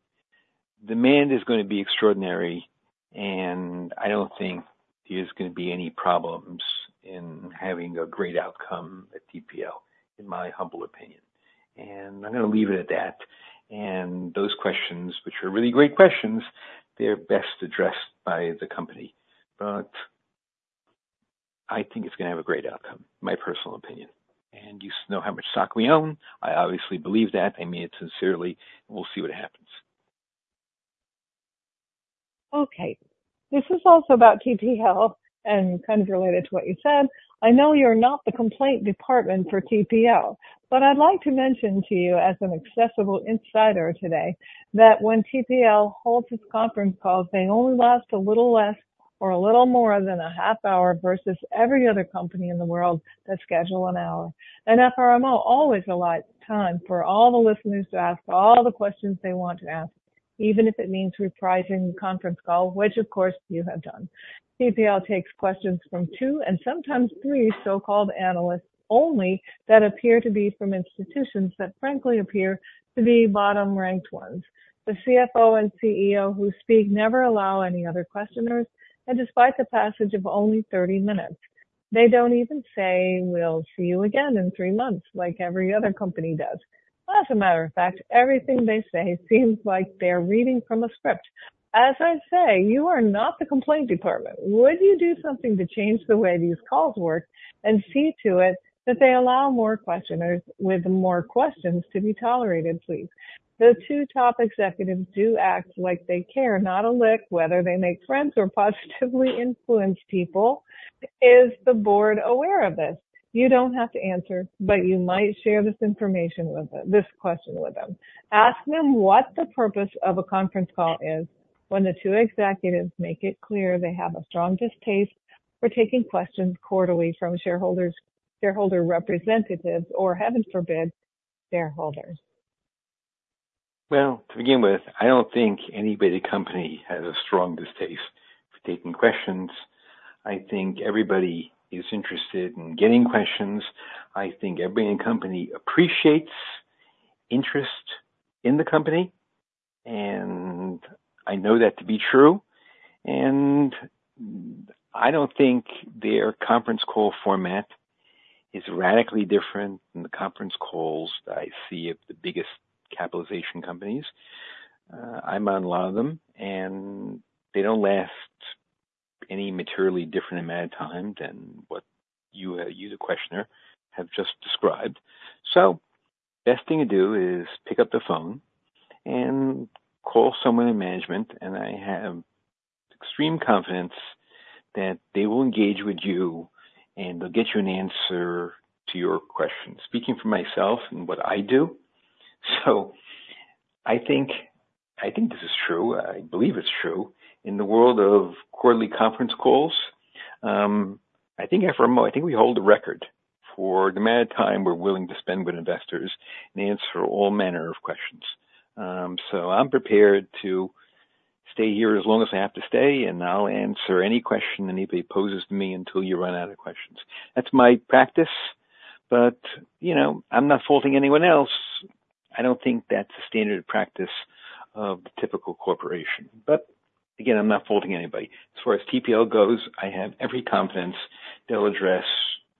demand is gonna be extraordinary, and I don't think there's gonna be any problems in having a great outcome at TPL, in my humble opinion. And I'm gonna leave it at that. And those questions, which are really great questions, they're best addressed by the company. But I think it's gonna have a great outcome, my personal opinion. And you know how much stock we own. I obviously believe that. I mean it sincerely. We'll see what happens. Okay. This is also about TPL and kind of related to what you said. I know you're not the complaint department for TPL, but I'd like to mention to you, as an accessible insider today, that when TPL holds its conference calls, they only last a little less or a little more than a half hour versus every other company in the world that schedules an hour. And FRMO always allots time for all the listeners to ask all the questions they want to ask, even if it means repricing the conference call, which of course you have done. TPL takes questions from two and sometimes three so-called analysts only, that appear to be from institutions that frankly appear to be bottom ranked ones. The CFO and CEO who speak never allow any other questioners, and despite the passage of only thirty minutes, they don't even say, "We'll see you again in three months," like every other company does. As a matter of fact, everything they say seems like they're reading from a script. As I say, you are not the complaint department. Would you do something to change the way these calls work and see to it that they allow more questioners with more questions to be tolerated, please? The two top executives do act like they care, not a lick, whether they make friends or positively influence people. Is the board aware of this? You don't have to answer, but you might share this information with them, this question with them. Ask them what the purpose of a conference call is when the two executives make it clear they have a strong distaste for taking questions quarterly from shareholders, shareholder representatives, or, heaven forbid, shareholders. To begin with, I don't think anybody at the company has a strong distaste for taking questions. I think everybody is interested in getting questions. I think every company appreciates interest in the company, and I know that to be true, and I don't think their conference call format is radically different than the conference calls that I see at the biggest capitalization companies. I'm on a lot of them, and they don't last any materially different amount of time than what you, the questioner, have just described, so best thing to do is pick up the phone and call someone in management, and I have extreme confidence that they will engage with you, and they'll get you an answer to your question. Speaking for myself and what I do, so I think, I think this is true. I believe it's true. In the world of quarterly conference calls, I think FRMO, I think we hold the record for the amount of time we're willing to spend with investors and answer all manner of questions. So I'm prepared to stay here as long as I have to stay, and I'll answer any question anybody poses to me until you run out of questions. That's my practice, but, you know, I'm not faulting anyone else. I don't think that's a standard practice of the typical corporation. But again, I'm not faulting anybody. As far as TPL goes, I have every confidence they'll address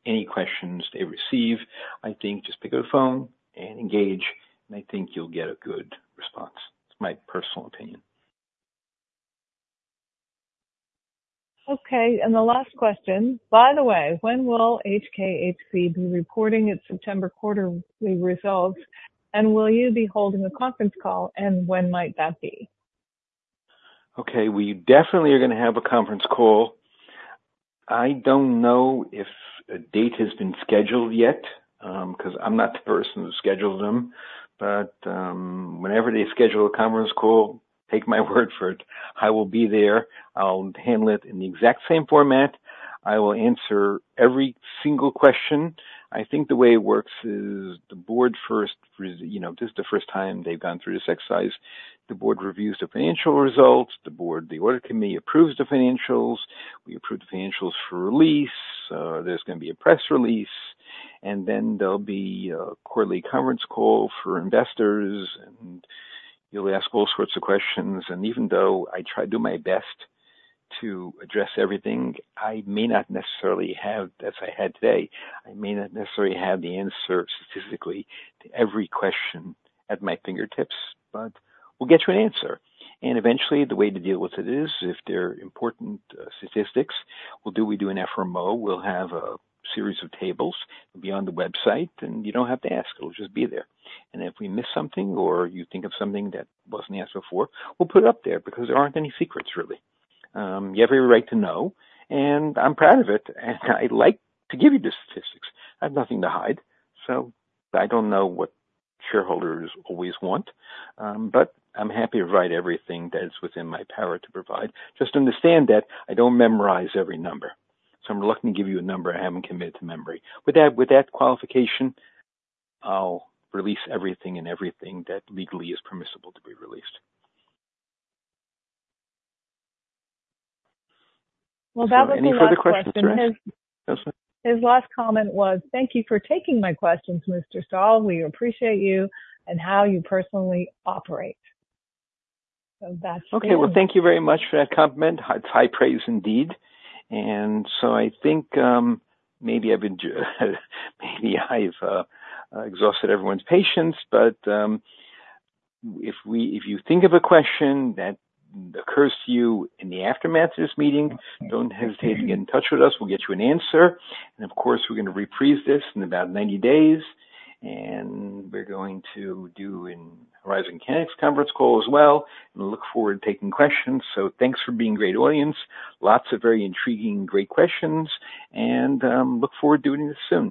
any questions they receive. I think just pick up the phone and engage, and I think you'll get a good response. It's my personal opinion. Okay, and the last question: By the way, when will HKHC be reporting its September quarterly results, and will you be holding a conference call, and when might that be? Okay, we definitely are gonna have a conference call. I don't know if a date has been scheduled yet, 'cause I'm not the person who schedules them. But, whenever they schedule a conference call, take my word for it, I will be there. I'll handle it in the exact same format. I will answer every single question. I think the way it works is the board first you know, this is the first time they've gone through this exercise. The board reviews the financial results. The board, the audit committee approves the financials. We approve the financials for release. There's gonna be a press release, and then there'll be a quarterly conference call for investors, and you'll ask all sorts of questions. And even though I try to do my best to address everything, I may not necessarily have, as I had today, I may not necessarily have the answer statistically to every question at my fingertips, but we'll get you an answer. And eventually, the way to deal with it is, if they're important, statistics, we'll do an FRMO. We'll have a series of tables, be on the website, and you don't have to ask. It'll just be there. And if we miss something or you think of something that wasn't asked before, we'll put it up there, because there aren't any secrets, really. You have every right to know, and I'm proud of it, and I'd like to give you the statistics. I have nothing to hide, so I don't know what shareholders always want, but I'm happy to provide everything that is within my power to provide. Just understand that I don't memorize every number, so I'm reluctant to give you a number I haven't committed to memory. With that, with that qualification, I'll release everything and everything that legally is permissible to be released. Well, that was the last question. Any other questions? His Yes. His last comment was, "Thank you for taking my questions, Mr. Stahl. We appreciate you and how you personally operate." So that's Okay. Well, thank you very much for that compliment. High, high praise indeed. And so I think, maybe I've exhausted everyone's patience, but if you think of a question that occurs to you in the aftermath of this meeting, don't hesitate to get in touch with us. We'll get you an answer. And of course, we're gonna reprise this in about ninety days, and we're going to do a Horizon Kinetics conference call as well, and look forward to taking questions. So thanks for being a great audience. Lots of very intriguing, great questions, and look forward to doing this soon.